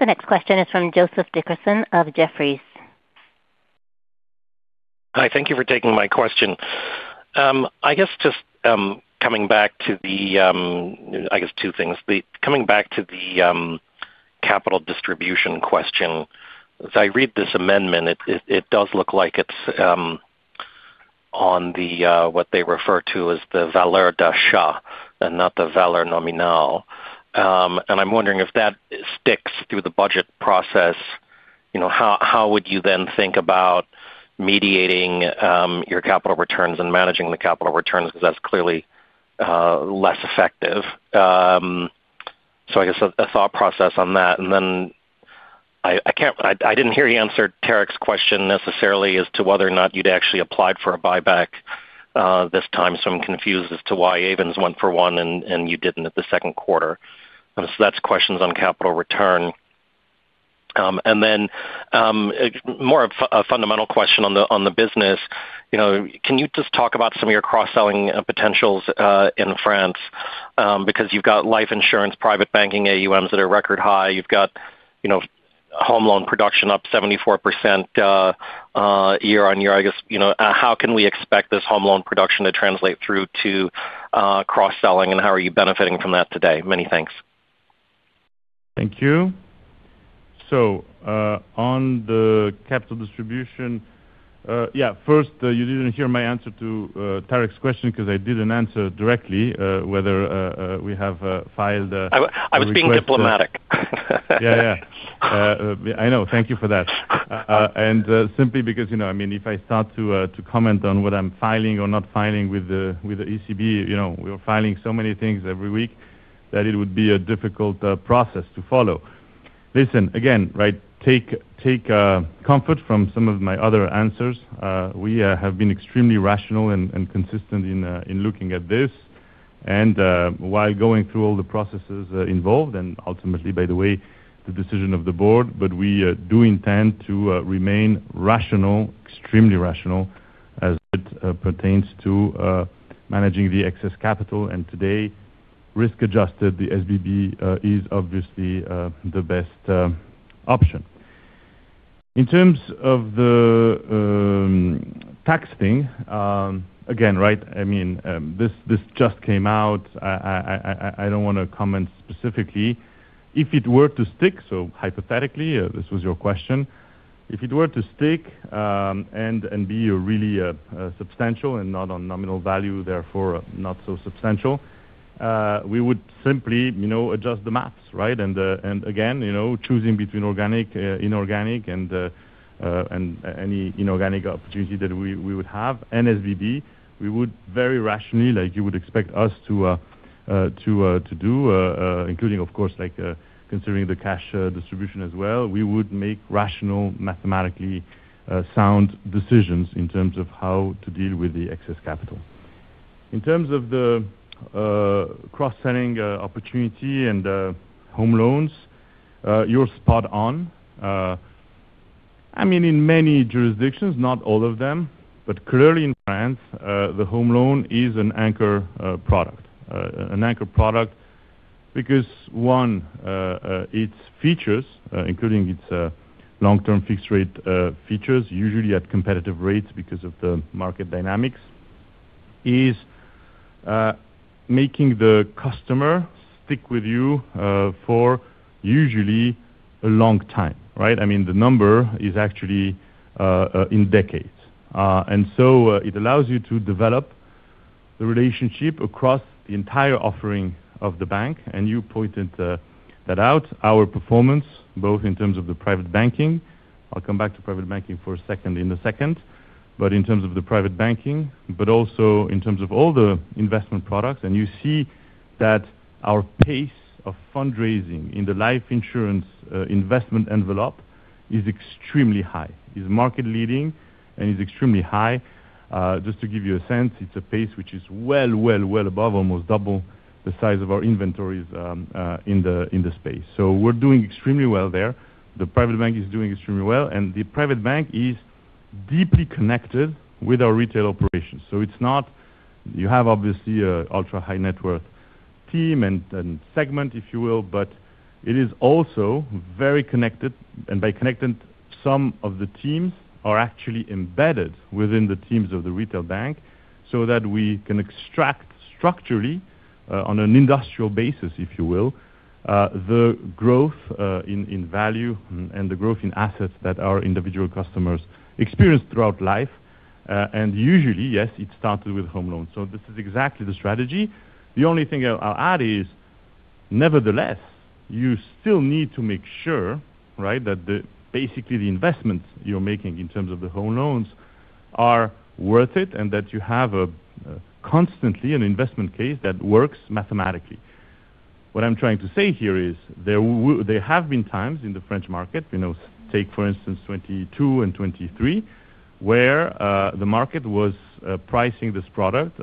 The next question is from Joseph Dickerson of Jefferies. Hi, thank you for taking my question. I guess just coming back to the I guess two things. Coming back to the capital distribution question. As I read this amendment, it does looks like it's on what they refer to as the valeur d'achat and not the valeur nominale. I'm wondering if that sticks through the budget process, how would you then think about mediating your capital returns. Managing the capital returns because that's clearly less effective. I guess a thought process on that. I didn't hear you answer Tariq's question necessarily as to whether or not you'd actually applied for a buyback this time. I'm confused as to why Avins went for one and you didn't at the second quarter. That's questions on capital return. A more fundamental question on the business. Can you just talk about some of your cross selling potentials in France, because you've got life insurance, private banking, AUMs that are record high. You've got home loan production up 74% year-on-year. I guess how can we expect this home loan production to translate through to cross selling, and how are you benefiting from that today? Many thanks. Thank you. On the capital distribution. Yeah. First, you didn't hear my answer to Tariq's question because I didn't answer directly whether we have filed. I was being diplomatic. Thank you for that. Simply because, you know, if I start to comment on what I'm filing or not filing with the ECB, we're filing so many things every week that it would be a difficult process to follow. Listen again, right. Take comfort from some of my other answers. We have been extremely rational and consistent in looking at this. While going through all the processes involved and ultimately, by the way, the decision of the board, we do intend to remain rational, extremely rational as it pertains to managing the excess capital. Today, risk-adjusted, the SBB is obviously the best option in terms of the tax thing. Again, right? I mean this just came out. I don't want to comment specifically. If it were to stick, so hypothetically, this was your question. If it were to stick and be really substantial and not on nominal value, therefore not so substantial, we would simply adjust the maps. Right. Again, choosing between organic, inorganic, and any inorganic opportunity that we would have NSDD, we would very rationally, like you would expect us to, to do, including of course considering the cash distribution as well. We would make rational, mathematically sound decisions in terms of how to deal with the excess capital. In terms of the cross-selling opportunity and home loans, you're spot on. I mean in many jurisdictions, not all of them, but clearly in France, the home loan is an anchor product. An anchor product because, one, its features, including its long-term fixed rate features, usually at competitive rates because of the market dynamics, is making the customer stick with you for usually a long time. The number is actually in decades. It allows you to develop the relationship across the entire offering of the bank. You pointed that out, our performance both in terms of the private banking. I'll come back to private banking in a second. In terms of the private banking, but also in terms of all the investment products. You see that our pace of fundraising in the life insurance investment envelope is extremely high. Is markedly, and is extremely high. Just to give you a sense, it's a pace which is well, well, well above almost double the size of our inventories in the space. We're doing extremely well there. The private bank is doing extremely well. The private bank is deeply connected with our retail operations. You have obviously the ultra high net worth team and segment, if you will, but it is also very connected. By connecting, some of the teams are actually embedded within the teams of the retail bank so that we can extract structurally on an industrial basis, if you will, the growth in value and the growth in assets that our individual customers experience throughout life. Usually, yes, it started with home loans. This is exactly the strategy. The only thing I'll add is nevertheless, you still need to make sure that basically the investments you're making in terms of the home loans are worth it and that you have constantly an investment case that works mathematically. What I'm trying to say here is there have been times in the French market, take for instance 2022 and 2023, where the market was pricing this product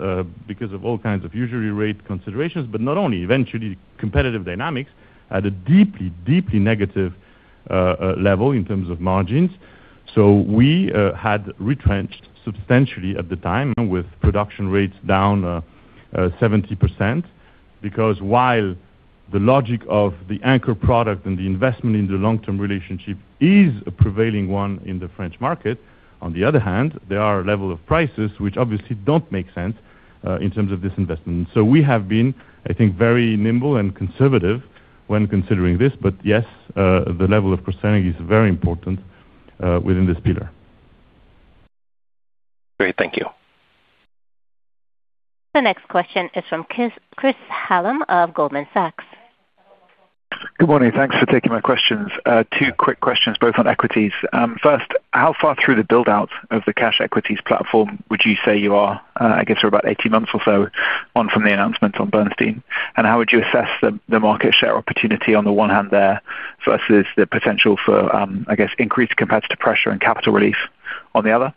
because of all kinds of usury rate considerations, but not only eventually competitive dynamics at a deeply, deeply negative level in terms of margins. We had retrenched substantially at the time with production rates down 70% because while the logic of the anchor product and the investment in the long term relationship is a prevailing one in the French market, on the other hand, there are levels of prices which obviously don't make sense in terms of this investment. We have been, I think, very nimble and conservative when considering this. Yes, the level of Christianity is very important within this pillar. Great, thank you. The next question is from Chris Hallam of Goldman Sachs. Good morning. Thanks for taking my questions. Two quick questions, both on equities. First, how far through the build out of the cash equities platform, would you say you are about 18 months or on from the announcements on Bernstein. How would you assess the market share opportunity on the one hand there versus the potential for, I guess, increased competitive pressure and capital relief on the other?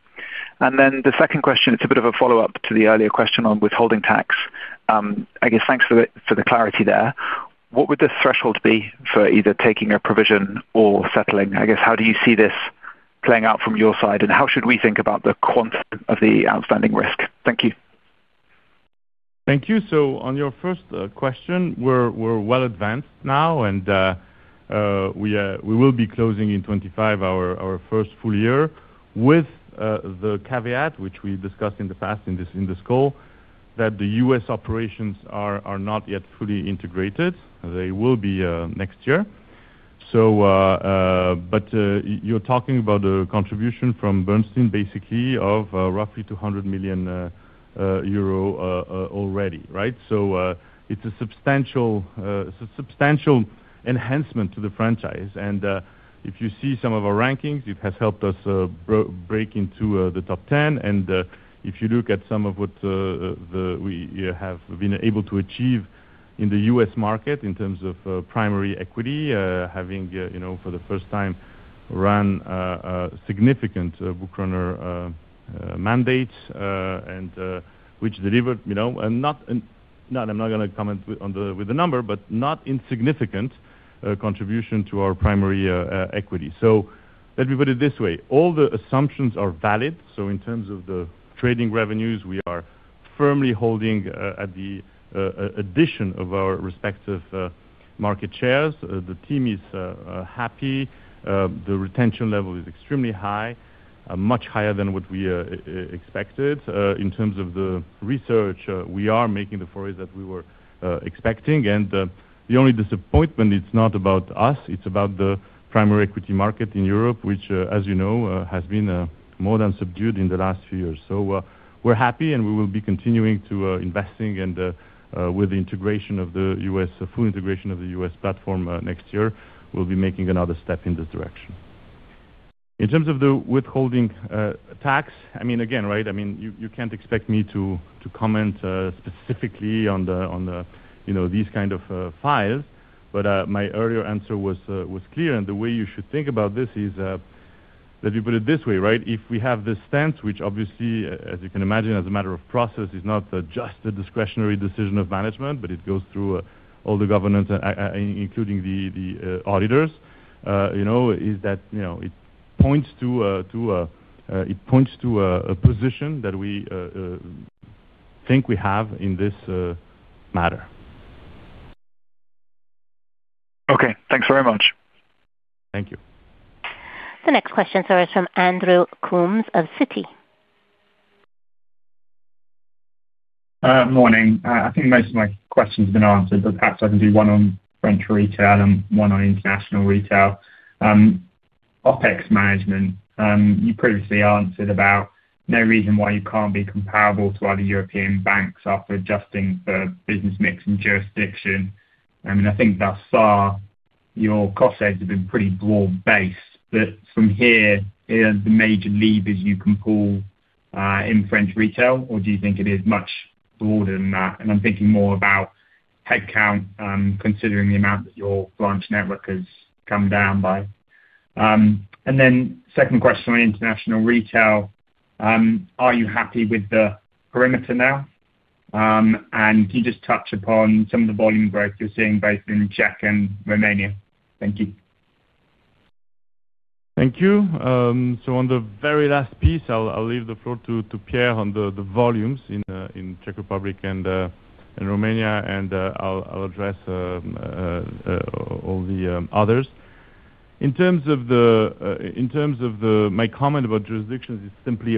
The second question is a bit of a follow-up to the earlier question on withholding tax, I guess. Thanks for the clarity there. What would the threshold be for either taking a provision or settling? I guess how do you see this playing out from your side, and how should we think about the quantity of the outstanding risk? Thank you. Thank you. On your first question, we're well advanced now and we will be closing in 2025, our first full year with the caveat which we discussed in the past in this call that the U.S. operations are not yet fully integrated. They will be next year. You're talking about a contribution from Bernstein basically of roughly 200 million euro already. It's a substantial, substantial enhancement to the franchise. If you see some of our rankings, it has helped us break into the top 10. If you look at some of what we have been able to achieve in the U.S. market in terms of primary equity, having for the first time run significant bookrunner mandates which delivered, I'm not going to comment on the number but not insignificant contribution to our primary equity. Let me put it this way, all the assumptions are valid. In terms of the trading revenues, we are firmly holding at the addition of our respective market shares, the team is happy. The retention level is extremely high, much higher than what we expected in terms of the research we are making, the forays that we were expecting and the only disappointment, it's not about us, it's about the primary equity market in Europe which, as you know, has been more than subdued in the last few years. We're happy and we will be continuing to invest and with the integration of the U.S., full integration of the U.S. platform next year, we'll be making another step in this direction. In terms of the withholding tax, again, you can't expect me to comment specifically on these kind of files. My earlier answer was clear and the way you should think about this is, let me put it this way, if we have this stance, which obviously, as you can imagine as a matter of process is not just a discretionary decision of management, but it goes through all the governance, including the auditors, it points to a position that we think we have in this matter. Okay, thanks very much. Thank you. The next question, sir, is from Andrew Coombs of Citi. Morning. I think most of my questions have been answered, but perhaps I can do one on OpEx and one on International Retail OpEx management. You previously answered about no reason why you can't be comparable to other European banks after adjusting for business mix and jurisdiction. I think thus far your cost saves have been pretty broad based from here the major levers you can pull in French Retail or do you think it is much, and I'm thinking more about headcount, considering the amount that your branch network has come down by. Second question on International Retail. Are you happy with the perimeter now? Can you just touch upon some of the volume growth you're seeing both in Czech and Romania? Thank you. Thank you. On the very last piece, I'll leave the floor to Pierre on the volumes in Czech Republic and Romania and I'll address all the others. In terms of my comment about jurisdictions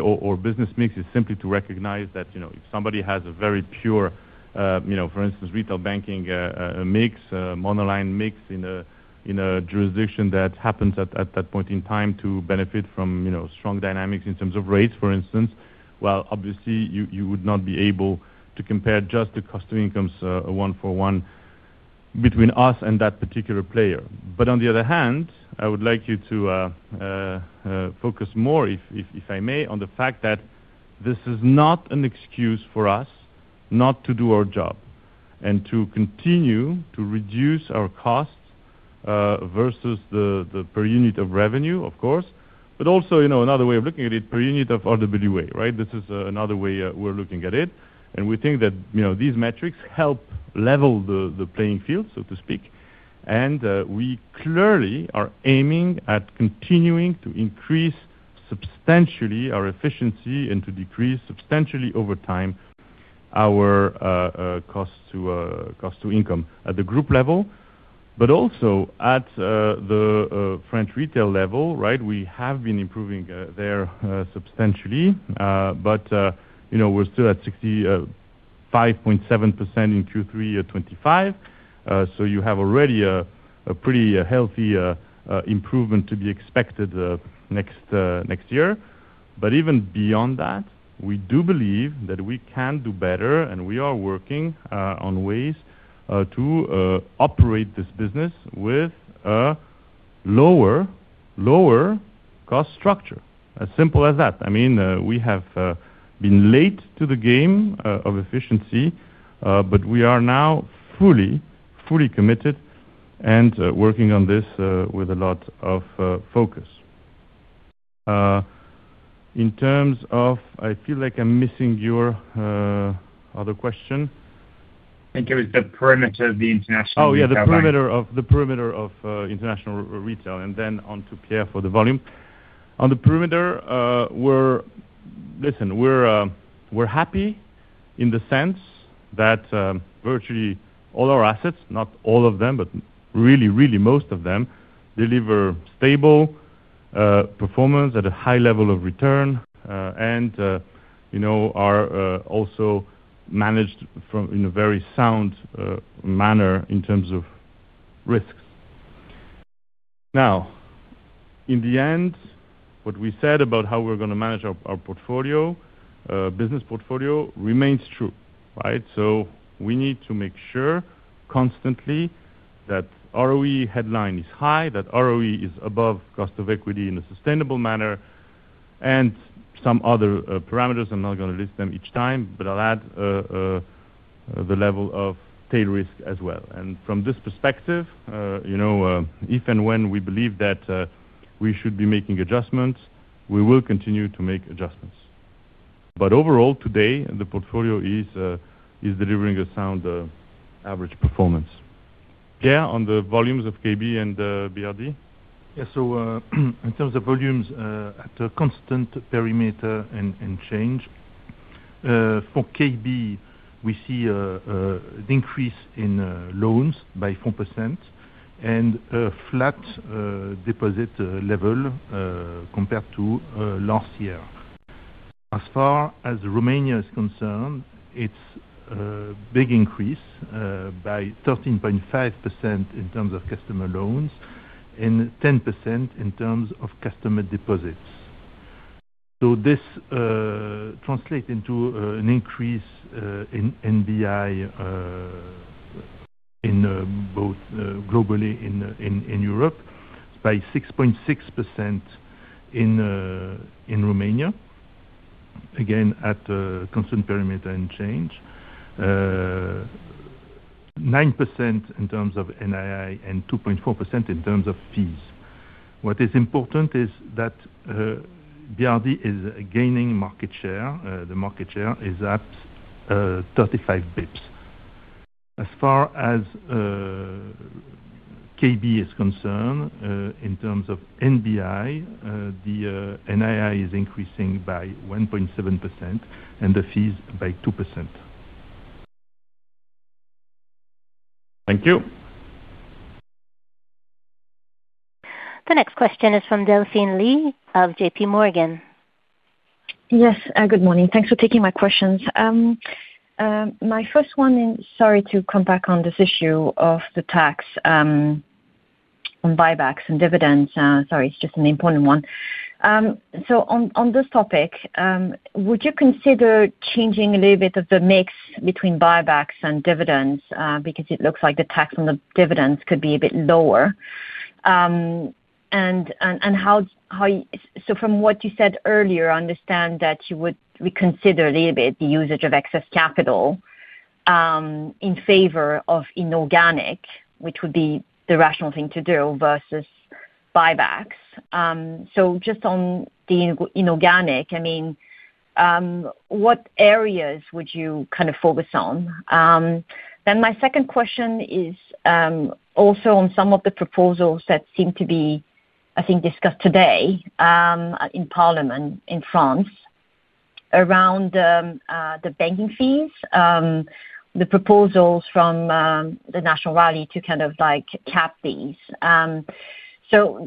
or business mix, it's simply to recognize that, you know, if somebody has a very pure, you know, for instance, retail banking mix, monoline mix in a jurisdiction that happens at that point in time to benefit from, you know, strong dynamics in terms of rates, for instance, obviously you would not be able to compare just the cost of incomes one for one between us and that particular player. On the other hand, I would like you to focus more, if I may, on the fact that this is not an excuse for us not to do our job and to continue to reduce our costs versus the per unit of revenue, of course, but also, you know, another way of looking at it per unit of RWA. This is another way we're looking at it and we think that, you know, these metrics help level the playing field, so to speak. We clearly are aiming at continuing to increase substantially our efficiency and to decrease substantially over time our cost to income at the group level, but also at the French Retail level. We have been improving there substantially but, you know, we're still at 65.7% in Q3 2025. You have already a pretty healthy improvement to be expected next year. Even beyond that, we do believe that we can do better and we are working on ways to operate this business with a lower, lower cost structure. As simple as that. We have been late to the game of efficiency, but we are now fully, fully committed and working on this with a lot of focus. I feel like I'm missing your other question. I think it was the perimeter of the International. Oh yeah, the perimeter of International Retail. Then on to Pierre for the volume on the perimeter. We're happy in the sense that virtually all our assets, not all of them, but really, really most of them deliver stable performance at a high level of return and are also managed in a very sound manner in terms of risks. In the end, what we said about how we're going to manage our business portfolio remains true. We need to make sure constantly that ROE headline is high, that ROE is above cost of equity in a sustainable manner. Some other parameters, I'm not going to list them each time, but I'll add the level of tail risk as well. From this perspective, if and when we believe that we should be making adjustments, we will continue to make adjustments. Overall, today the portfolio is delivering a sound average performance. Pierre, on the volumes of KB and BRD. Yes. In terms of volumes at a constant perimeter and change for KB, we see an increase in loans by 4% and flat deposit level compared to last year. As far as Romania is concerned, it's a big increase by 13.5% in terms of customer loans and 10% in terms of customer deposits. This translates into an increase in NBI in both globally, in Europe by 6.6%, in Romania, again at constant perimeter and change. 9% in terms of NII and 2.4% in terms of fees. What is important is that BRD is gaining market share. The market share is up 35 bps. As far as KB is concerned, in terms of NBI, the NII is increasing by 1.7% and the fees by 2%. Thank you. The next question is from Delphine Lee of JPMorgan. Yes, good morning. Thanks for taking my questions. My first one, sorry to come back on this issue of the tax on buybacks and dividends. Sorry, it's just an important one. On this topic, would you consider changing a little bit of the mix between buybacks and dividends? It looks like the tax on the dividends could be a bit lower and how so? From what you said earlier, I understand that you would reconsider a little bit the usage of excess capital in favor of inorganic, which would be the rational thing to do versus buybacks. Just on the inorganic, what areas would you kind of focus on then? My second question is also on some of the proposals that seem to be, I think, discussed today in parliament in France around the banking fees, the proposals from the National Rally to cap these.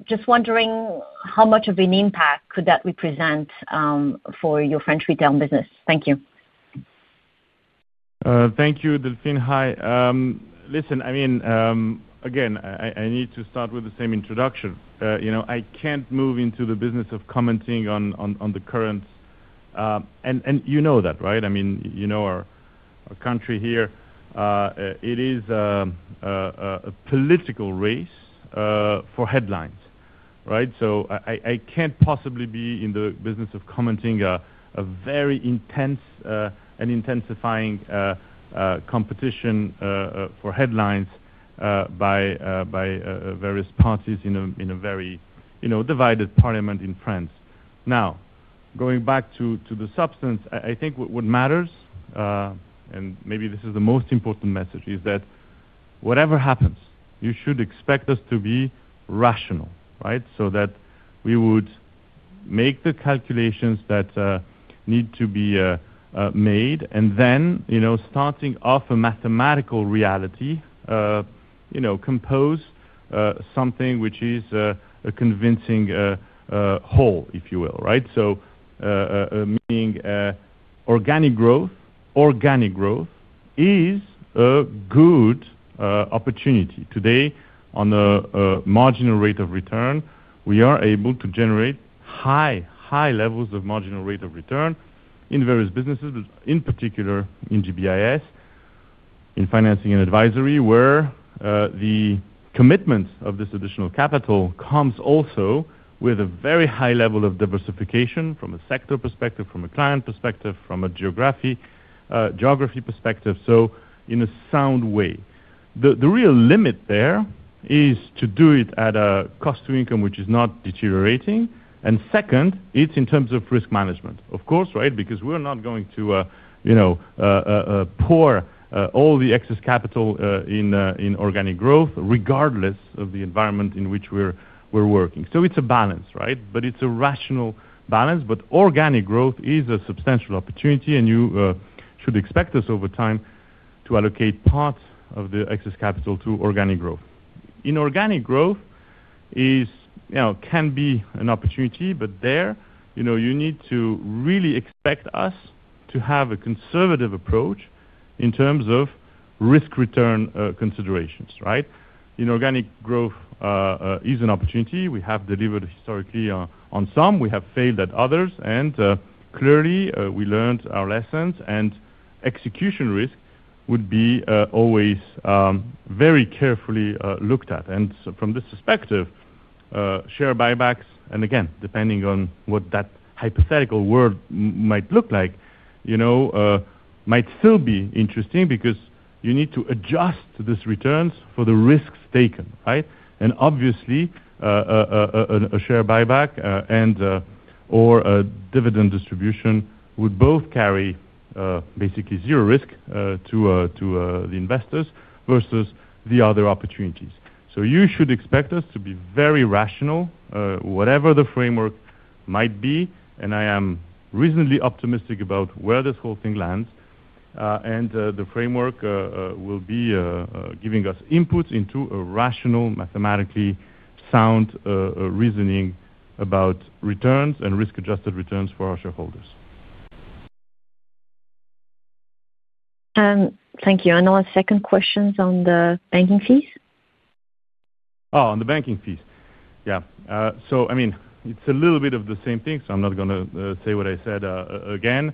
Just wondering how much of an impact could that represent for your French Retail business? Thank you. Thank you. Delphine. Hi. Listen, I mean, again, I need to start with the same introduction. You know, I can't move into the business of commenting on the current. You know that, right? I mean, you know, our country here, it is a political race for headlines, right? I can't possibly be in the business of commenting a very intense and intensifying competition for headlines by various parties in a very divided parliament in France. Now, going back to the substance, I think what matters, and maybe this is the most important message, is that whatever happens, you should expect us to be rational, right? We would make the calculations that need to be made and then, starting off a mathematical reality, compose something which is a convincing whole, if you will. Right, meaning organic growth. Organic growth is a good opportunity today. On a marginal rate of return, we are able to generate high, high levels of marginal rate of return in various businesses, in particular in GBIS in financing and advisory, where the commitment of this additional capital comes also with a very high level of diversification from a sector perspective, from a client perspective, from a geography perspective. In a sound way, the real limit there is to do it at a cost-to-income which is not deteriorating. Second, it's in terms of risk management, of course, because we're not going to pour all the excess capital in organic growth, regardless of the environment in which we're working. It's a balance, right, but it's a rational balance. Organic growth is a substantial opportunity and you should expect us over time to allocate part of the excess capital to organic growth. Inorganic growth can be an opportunity, but there you need to really expect us to have a conservative approach in terms of risk-return considerations. Inorganic growth is an opportunity. We have delivered historically on some, we have failed at others, and clearly we learned our lessons. Execution risk would be always very carefully looked at. From this perspective, share buybacks, and again, depending on what that hypothetical world might look like, might still be interesting because you need to adjust these returns for the risks taken. Obviously, a share buyback and, or a dividend distribution would both carry basically zero risk to the investors versus the other opportunities. You should expect us to be very rational, whatever the framework might be. I am reasonably optimistic about where this whole thing lands. The framework will be giving us inputs into a rational, mathematically sound reasoning about returns and risk-adjusted returns for our shareholders. Thank you. Our second question on the banking fees. On the banking fees, it's a little bit of the same thing. I'm not going to say what I said again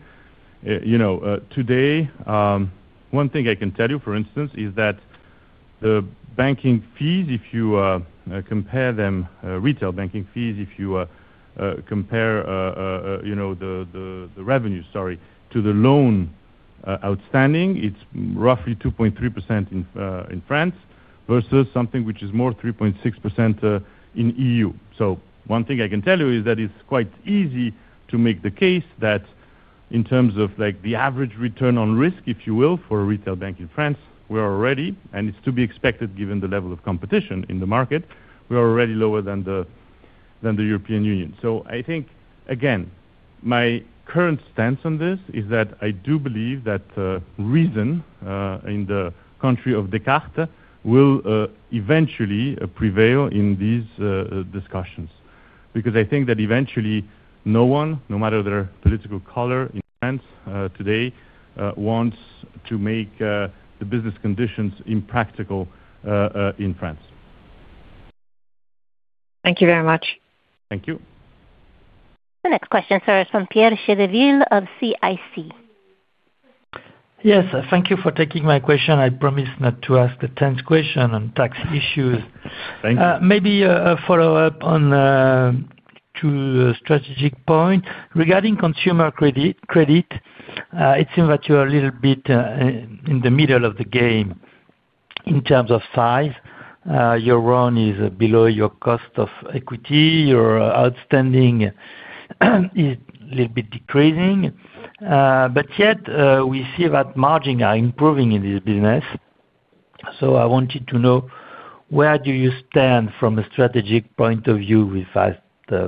today. One thing I can tell you, for instance, is that the banking fees, if you compare them, retail banking fees, if you compare the revenue, sorry, to the loan outstanding, it's more roughly 2.3% in France versus something which is more 3.6% in the EU. One thing I can tell you is that it's quite easy to make the case that in terms of the average return on risk, if you will, for a retail bank in France, we are already, and it's to be expected given the level of competition in the market, we are already lower than the European Union. I think again, my current stance on this is that I do believe that reason in the country of Descartes will eventually prevail in these discussions. I think that eventually no one, no matter their political color in France today, wants to make the business conditions impractical in France. Thank you very much. Thank you. The next question, sir, is from Pierre Chédeville of CIC. Yes, thank you for taking my question. I promise not to ask the tense question on tax issues. Maybe a follow up on two strategic points regarding consumer credit. It seems that you are a little bit in the middle of the game in terms of size, your loan is below your cost of equity, your outstanding is a little bit decreasing, but yet we see that margin are improving in this business. I wanted to know where do you stand from a strategic point of view with that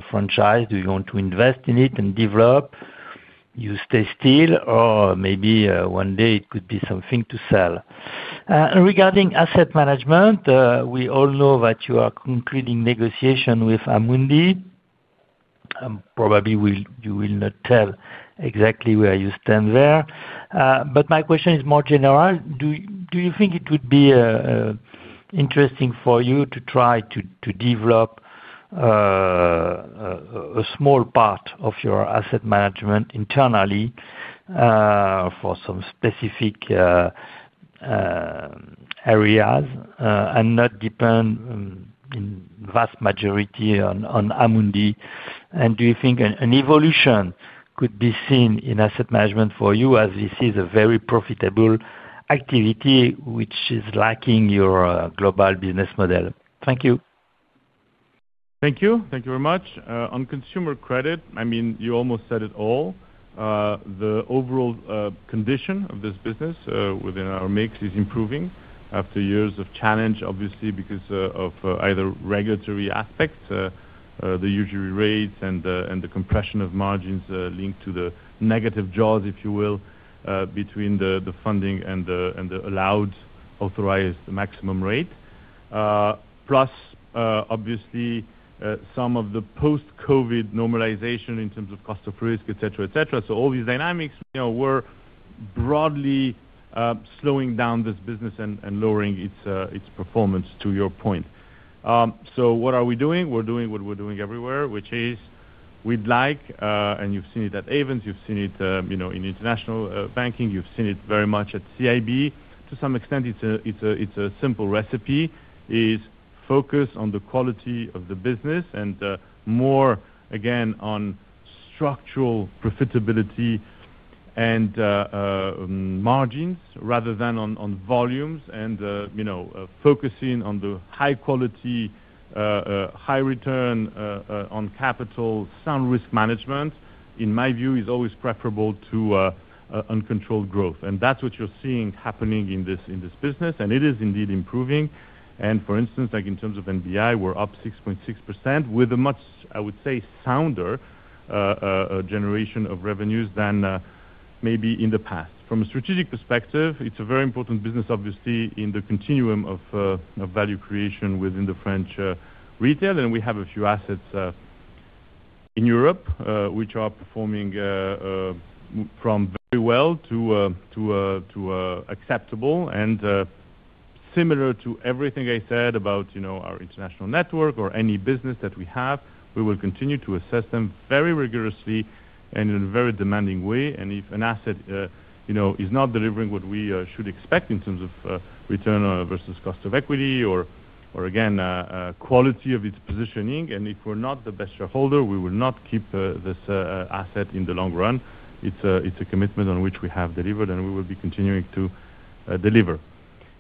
franchise do you want to invest in it and develop, you stay still, or maybe one day it could be something to sell. Regarding asset management, we all know that you are concluding negotiation with Amundi. Probably you will not tell exactly where you stand there, but my question is more general. Do you think it would be interesting for you to try to develop a small part of your asset management internally for some specific areas and not depend vast majority on Amundi? Do you think an evolution could occur be seen in asset management for you as this is a very profitable activity which is lacking your global business model. Thank you. Thank you, thank you very much. On consumer credit, I mean you almost said it all. The overall condition of this business within our mix is improving after years of challenge, obviously because of either regulatory aspects, the usury rates and the compression of margins linked to the negative jaws, if you will, between the funding and the allowed authorized maximum rate plus obviously some of the post-COVID normalization in terms of cost of risk, etc., etc. All these dynamics were broadly slowing down this business and lowering its performance to your point. What are we doing? We're doing what we're doing everywhere, which is we'd like. You've seen it at Ayvens, you've seen it in International Banking, you've seen it very much at CIB to some extent. It's a simple recipe: focus on the quality of the business and more again on structural profitability and margins rather than on volumes and, you know, focusing on the high quality, high return on capital. Sound risk management in my view is always preferable to uncontrolled growth. That's what you're seeing happening in this business. It is indeed improving. For instance, in terms of NBI, we're up 6.6% with a much, I would say, sounder generation of revenues than maybe in the past. From a strategic perspective, it's a very important business obviously in the continuum of value creation within the French Retail. We have a few assets in Europe which are performing from very well to acceptable. Similar to everything I said about our international network or any business that we have, we will continue to assess them very rigorously and in a very demanding way. If an asset is not delivering what we should expect in terms of return versus cost of equity or, again, quality of its positioning and if we're not the best shareholder, we will not keep this asset in the long run. It's a commitment on which we have delivered and we will be continuing to deliver.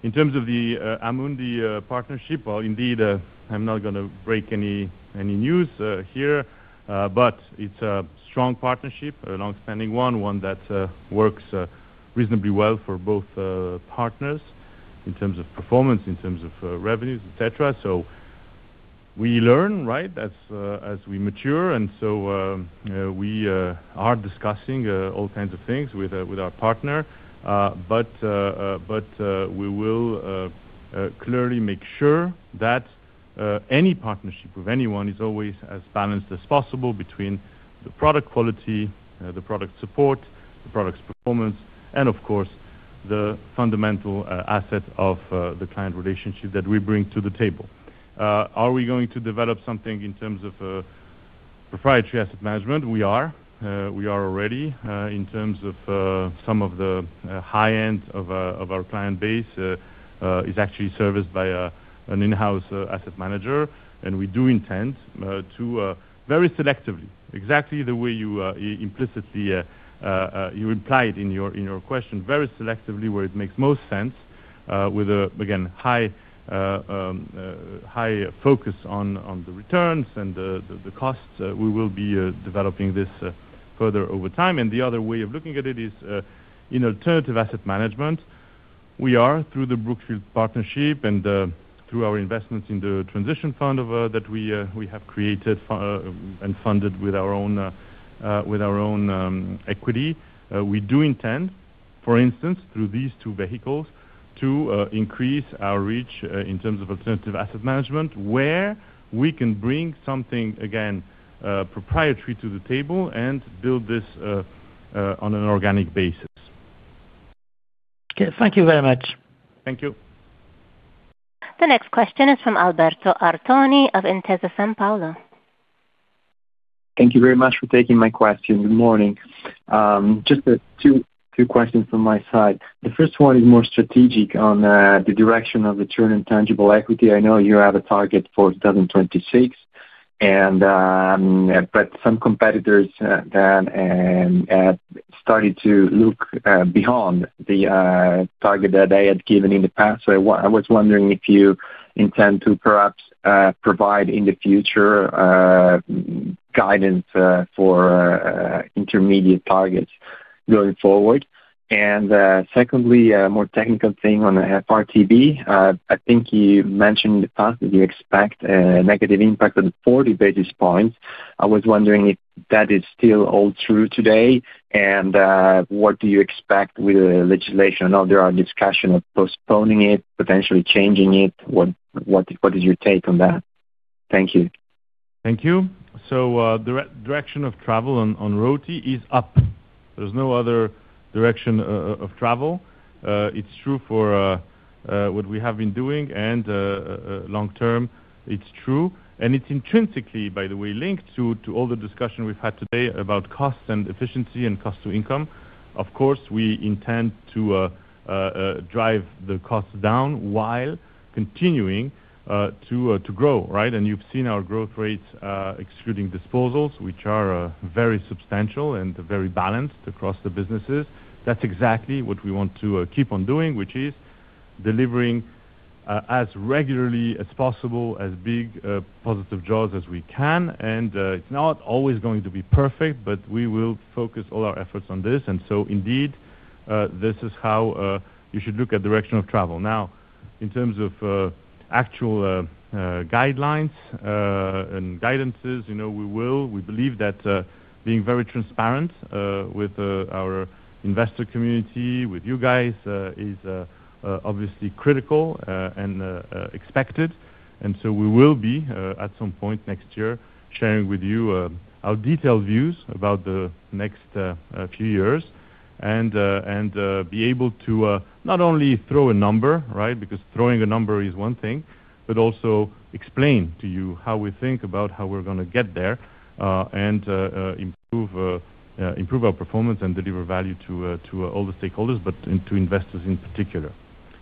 In terms of the Amundi partnership, indeed, I'm not going to break any news here, but it's a strong partnership, a long-standing one, one that works reasonably well for both partners in terms of performance, in terms of revenues, etc. We learn as we mature and we are discussing all kinds of things with our partner. We will clearly make sure that any partnership with anyone is always as balanced as possible between the product quality, the product support, the product's performance, and of course the fundamental asset of the client relationship that we bring to the table. Are we going to develop something in terms of proprietary asset management? We are. We are already, in terms of some of the high end of our client base, actually serviced by an in-house asset manager. We do intend to very selectively, exactly the way you implied in your question, very selectively where it makes most sense with again high focus on the returns and the costs. We will be developing this further over time. The other way of looking at it is in alternative asset management. We are, through the Brookfield partnership and through our investments in the transition fund that we have created and funded with our own equity, intending, for instance through these two vehicles, to increase our reach in terms of alternative asset management where we can bring something again proprietary to the table and build this on an organic basis. Okay, thank you very much. Thank you. The next question is from Alberto Artoni of Intesa Sanpaolo. Thank you very much for taking my question. Good morning. Just two questions from my side. The first one is more strategic on the direction of return on tangible equity. I know you have a target for 2026. Some competitors started to look beyond the target that I had given in the past. I was wondering if you intend to perhaps provide in the future guidance for intermediate targets going forward. Secondly, a more technical thing on FRTB. I think you mentioned in the past that you expect a negative impact of 40 basis points. I was wondering if that is still all true today and what do you expect with legislation? I know there are discussions of postponing it, potentially changing it. What is your take on that? Thank you. Thank you. The direction of travel on ROTE is up. There's no other direction of travel. It's true for what we have been doing and long term it's true. It's intrinsically, by the way, linked to all the discussion we've had today about cost and efficiency and cost-to-income. Of course, we intend to drive the costs down while continuing to grow, right? You've seen our growth rates excluding asset disposals, which are very substantial and very balanced across the businesses. That's exactly what we want to keep on doing, which is delivering as regularly as possible as big positive jaws as we can. It's not always going to be perfect, but we will focus all our efforts on this. Indeed, this is how you should look at direction of travel. Now, in terms of actual guidelines and guidances, we believe that being very transparent with our investor community, with you guys, is obviously critical and expected. We will be at some point next year sharing with you our detailed views about the next few years and be able to not only throw a number, right, because throwing a number is one thing, but also explain to you how we think about how we're going to get there and improve our performance and deliver value to all the stakeholders, but to investors in particular.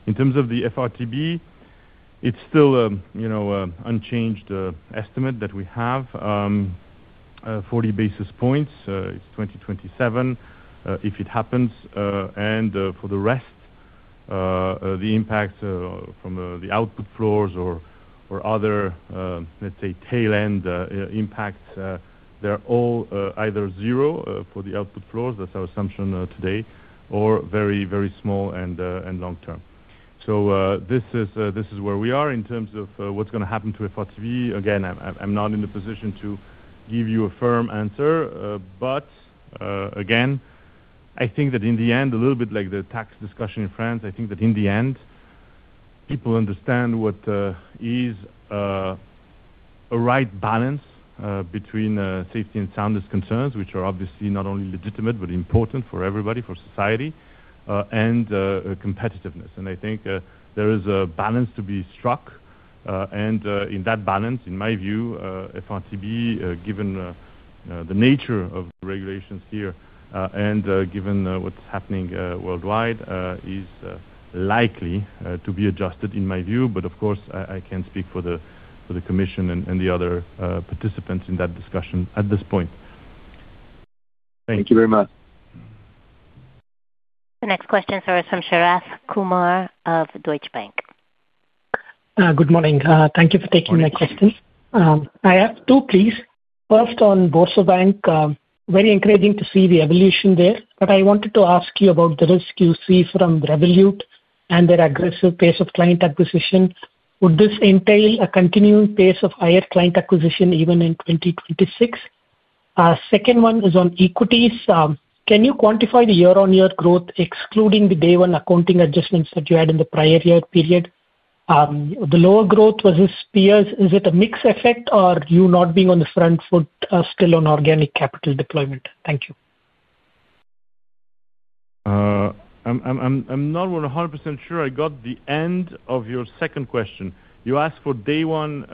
In terms of the FRTB, it's still, you know, unchanged estimate that we have 40 basis points. It's 2027 if it happens. For the rest, the impacts from the output floors or other, let's say, tail end impacts, they're all either zero for the output floors, that's our assumption today, or very, very small and long term. This is where we are in terms of what's going to happen to FRTB. Again, I'm not in the position to give you a firm answer, but again, I think that in the end, a little bit like the tax discussion in France, I think that in the end people understand what is a right balance between safety and soundness concerns, which are obviously not only legitimate but important for everybody, for society and competitiveness. I think there is a balance to be struck. In that balance, in my view, FRTB, given the nature of regulations here and given what's happening worldwide, is likely to be adjusted in my view. Of course, I can't speak for the commission and the other participants in that discussion at this point. Thank you very much. The next question, sir, is from Sharath Kumar of Deutsche Bank. Good morning. Thank you for taking my question. I have two, please. First, on BoursoBank, very encouraging to see the evolution there, but I wanted to ask you about the risk you see from Revolut and their aggressive pace of client acquisition. Would this entail a continuing pace of higher client acquisition even in 2026? Second one is on equities. Can you quantify the year-on-year growth excluding the day one accounting adjustments that you had in the prior year period? The lower growth versus peers, is it a mix effect or you not being on the front foot still on organic capital deployment? Thank you. I'm not 100% sure I got the end of your second question. You asked for day one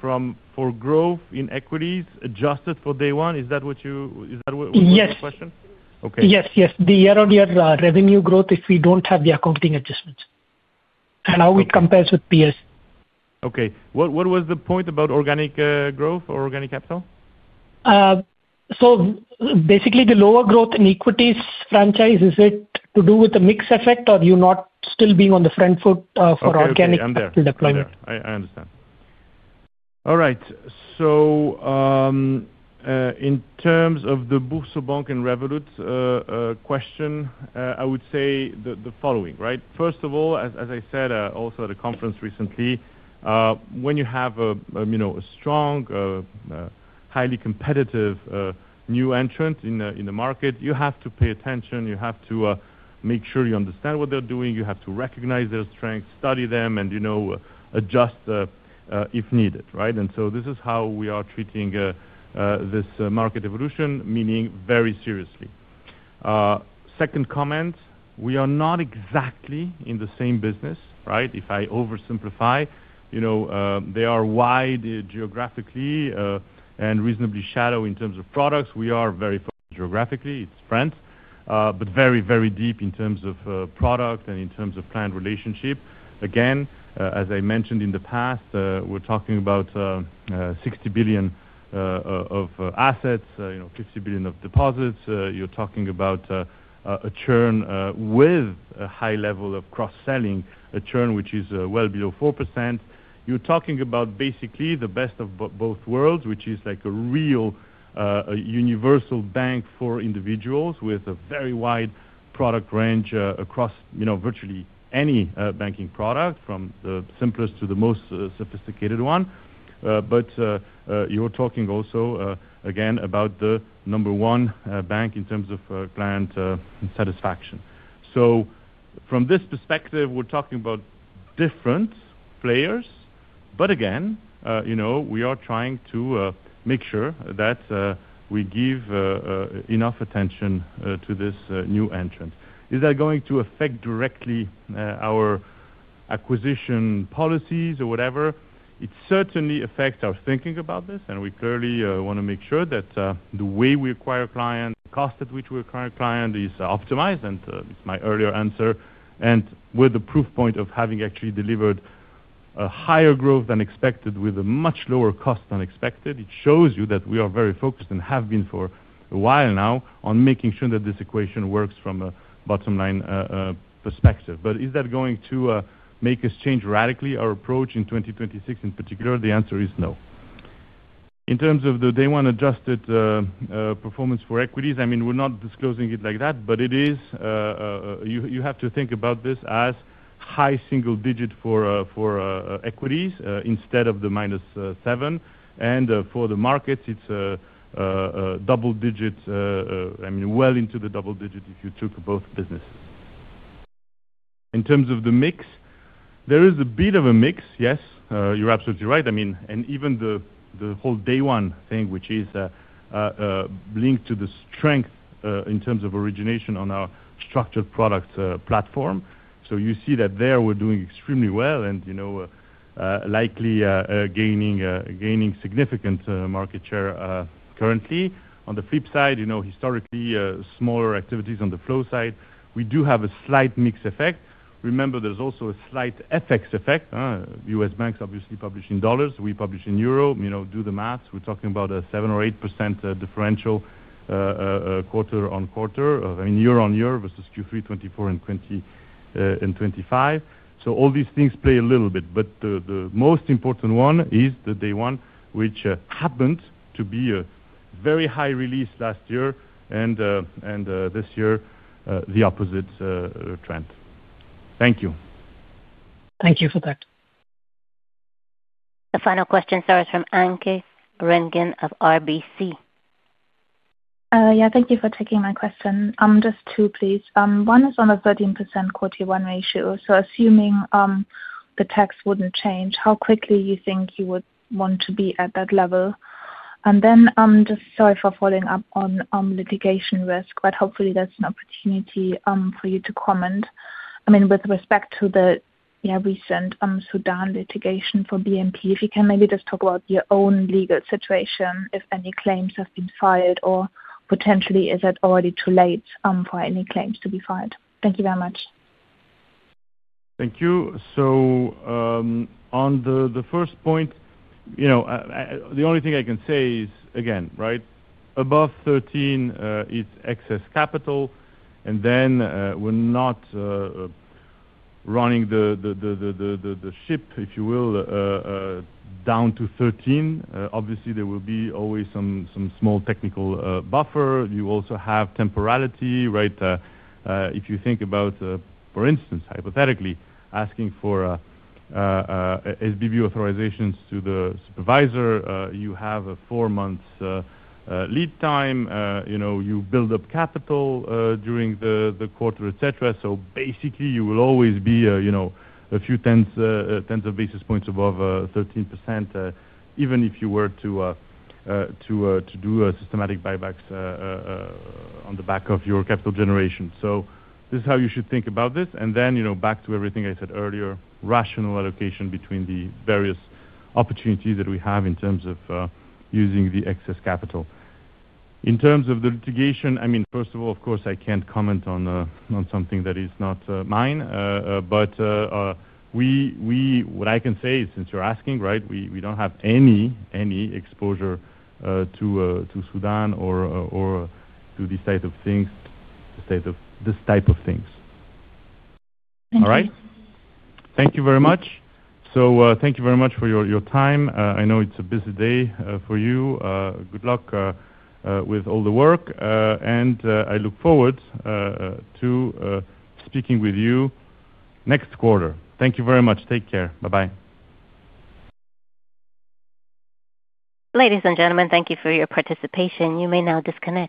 from, for growth in equities adjusted for day one, is that what you? Yes, the year-on-year revenue growth, if we don't have the accounting adjustments, and how it compares with peers. Okay, what was the point about organic growth or organic capital? Basically, the lower growth in equities franchise, is it to do with the mix effect or you're not still being on the front foot for organic deployment? I understand. All right. So, in terms of the BoursoBank and Revolut question, I would say the following, right? First of all, as I said also at a conference recently, when you have a strong, highly competitive new entrant in the market, you have to pay attention. You have to make sure you understand what they're doing. You have to recognize their strengths, study them, and adjust if needed. This is how we are trying to treat this market evolution, meaning very seriously. Second comment, we are not exactly in the same business, right? If I oversimplify, you know, they are wide geographically and reasonably shallow in terms of products. We are very geographically, it's France, but very, very deep in terms of product and in terms of client relationship. Again, as I mentioned in the past, we're talking about 60 billion of assets, 50 billion of deposits. You're talking about a churn with a high level of cross selling, a churn which is well below 4%. You're talking about basically the best of both worlds, which is like a real universal bank for individuals with a very wide product range across virtually any banking product, from the simplest to the most sophisticated one. You're also talking again about the number one bank in terms of client satisfaction. From this perspective, we're talking about different players, but again, we are trying to make sure that we give enough attention to this new entrant. Is that going to affect directly our acquisition policies or whatever? It certainly affects our thinking about this, and we clearly want to make sure that the way we acquire clients, the cost at which we acquire clients, is optimized. It's my earlier answer, and with the proof point of having actually delivered a higher growth than expected with a much lower cost than expected, it shows you that we are very focused and have been for a while now on making sure that this equation works from a bottom line perspective. Is that going to make us change radically our approach in 2026 in particular? The answer is no. In terms of the day one adjusted performance for equities, I mean we're not disclosing it like that, but it is. You have to think about this as high single digit for equities instead of the-7. For the markets, it's double digits, I mean well into the double digit. If you took both businesses in terms of the mix, there is a bit of a mix. Yes, you're absolutely right. I mean, even the whole day one thing which is linked to the strength in terms of origination on our structured products platform. You see that there we're doing extremely well and, you know, likely gaining significant market share. Currently, on the flip side, historically, smaller activities on the flow side, we do have a slight mix effect. Remember, there's also a slight FX effect. U.S. banks obviously publishing in dollars, we publish in euro. You know, do the math. We're talking about a 7% or 8% differential quarter on quarter. I mean year on year versus Q3 2024 and 2025. All these things play a little bit, but the most important one is the day one, which happened to be a very high release last year and this year the opposite trend. Thank you. Thank you for that. The final question starts from Anke Reingen of RBC. Thank you for taking my question. Just two, please. One is on a 13% Q1 ratio. Assuming the tax wouldn't change, how quickly you think you would want to be at that level? Sorry for following up on litigation risk, but hopefully there's an opportunity for you to comment. I mean, with respect to the recent Sudan litigation for BNP, if you can maybe just talk about your own legal situation, if any claims have been filed or potentially is it already too late for any claims to be filed? Thank you very much. Thank you. On the first point, the only thing I can say is, again, right above 13% is excess capital. We're not running the ship, if you will, down to 13%. Obviously, there will always be some small technical buffer. You also have temporality, right? If you think about, for instance, hypothetically asking for SBV authorization to the supervisor, you have a four months lead time, you build up capital during the quarter, et cetera. Basically, you will always be a few tens of basis points above 13%, even if you were to do systematic buybacks on the back of your capital generation. This is how you should think about this. Back to everything I said earlier, rational allocation between the various opportunities that we have in terms of using the excess capital. In terms of the litigation, first of all, of course I can't comment on something that is not mine, but what I can say, since you're asking, we don't have any exposure to Sudan or to the state of things, this type of things. All right, thank you very much. Thank you very much for your time. I know it's a busy day for you. Good luck with all the work and I look forward to speaking with you next quarter. Thank you very much. Take care. Bye bye. Ladies and gentlemen, thank you for your participation. You may now disconnect.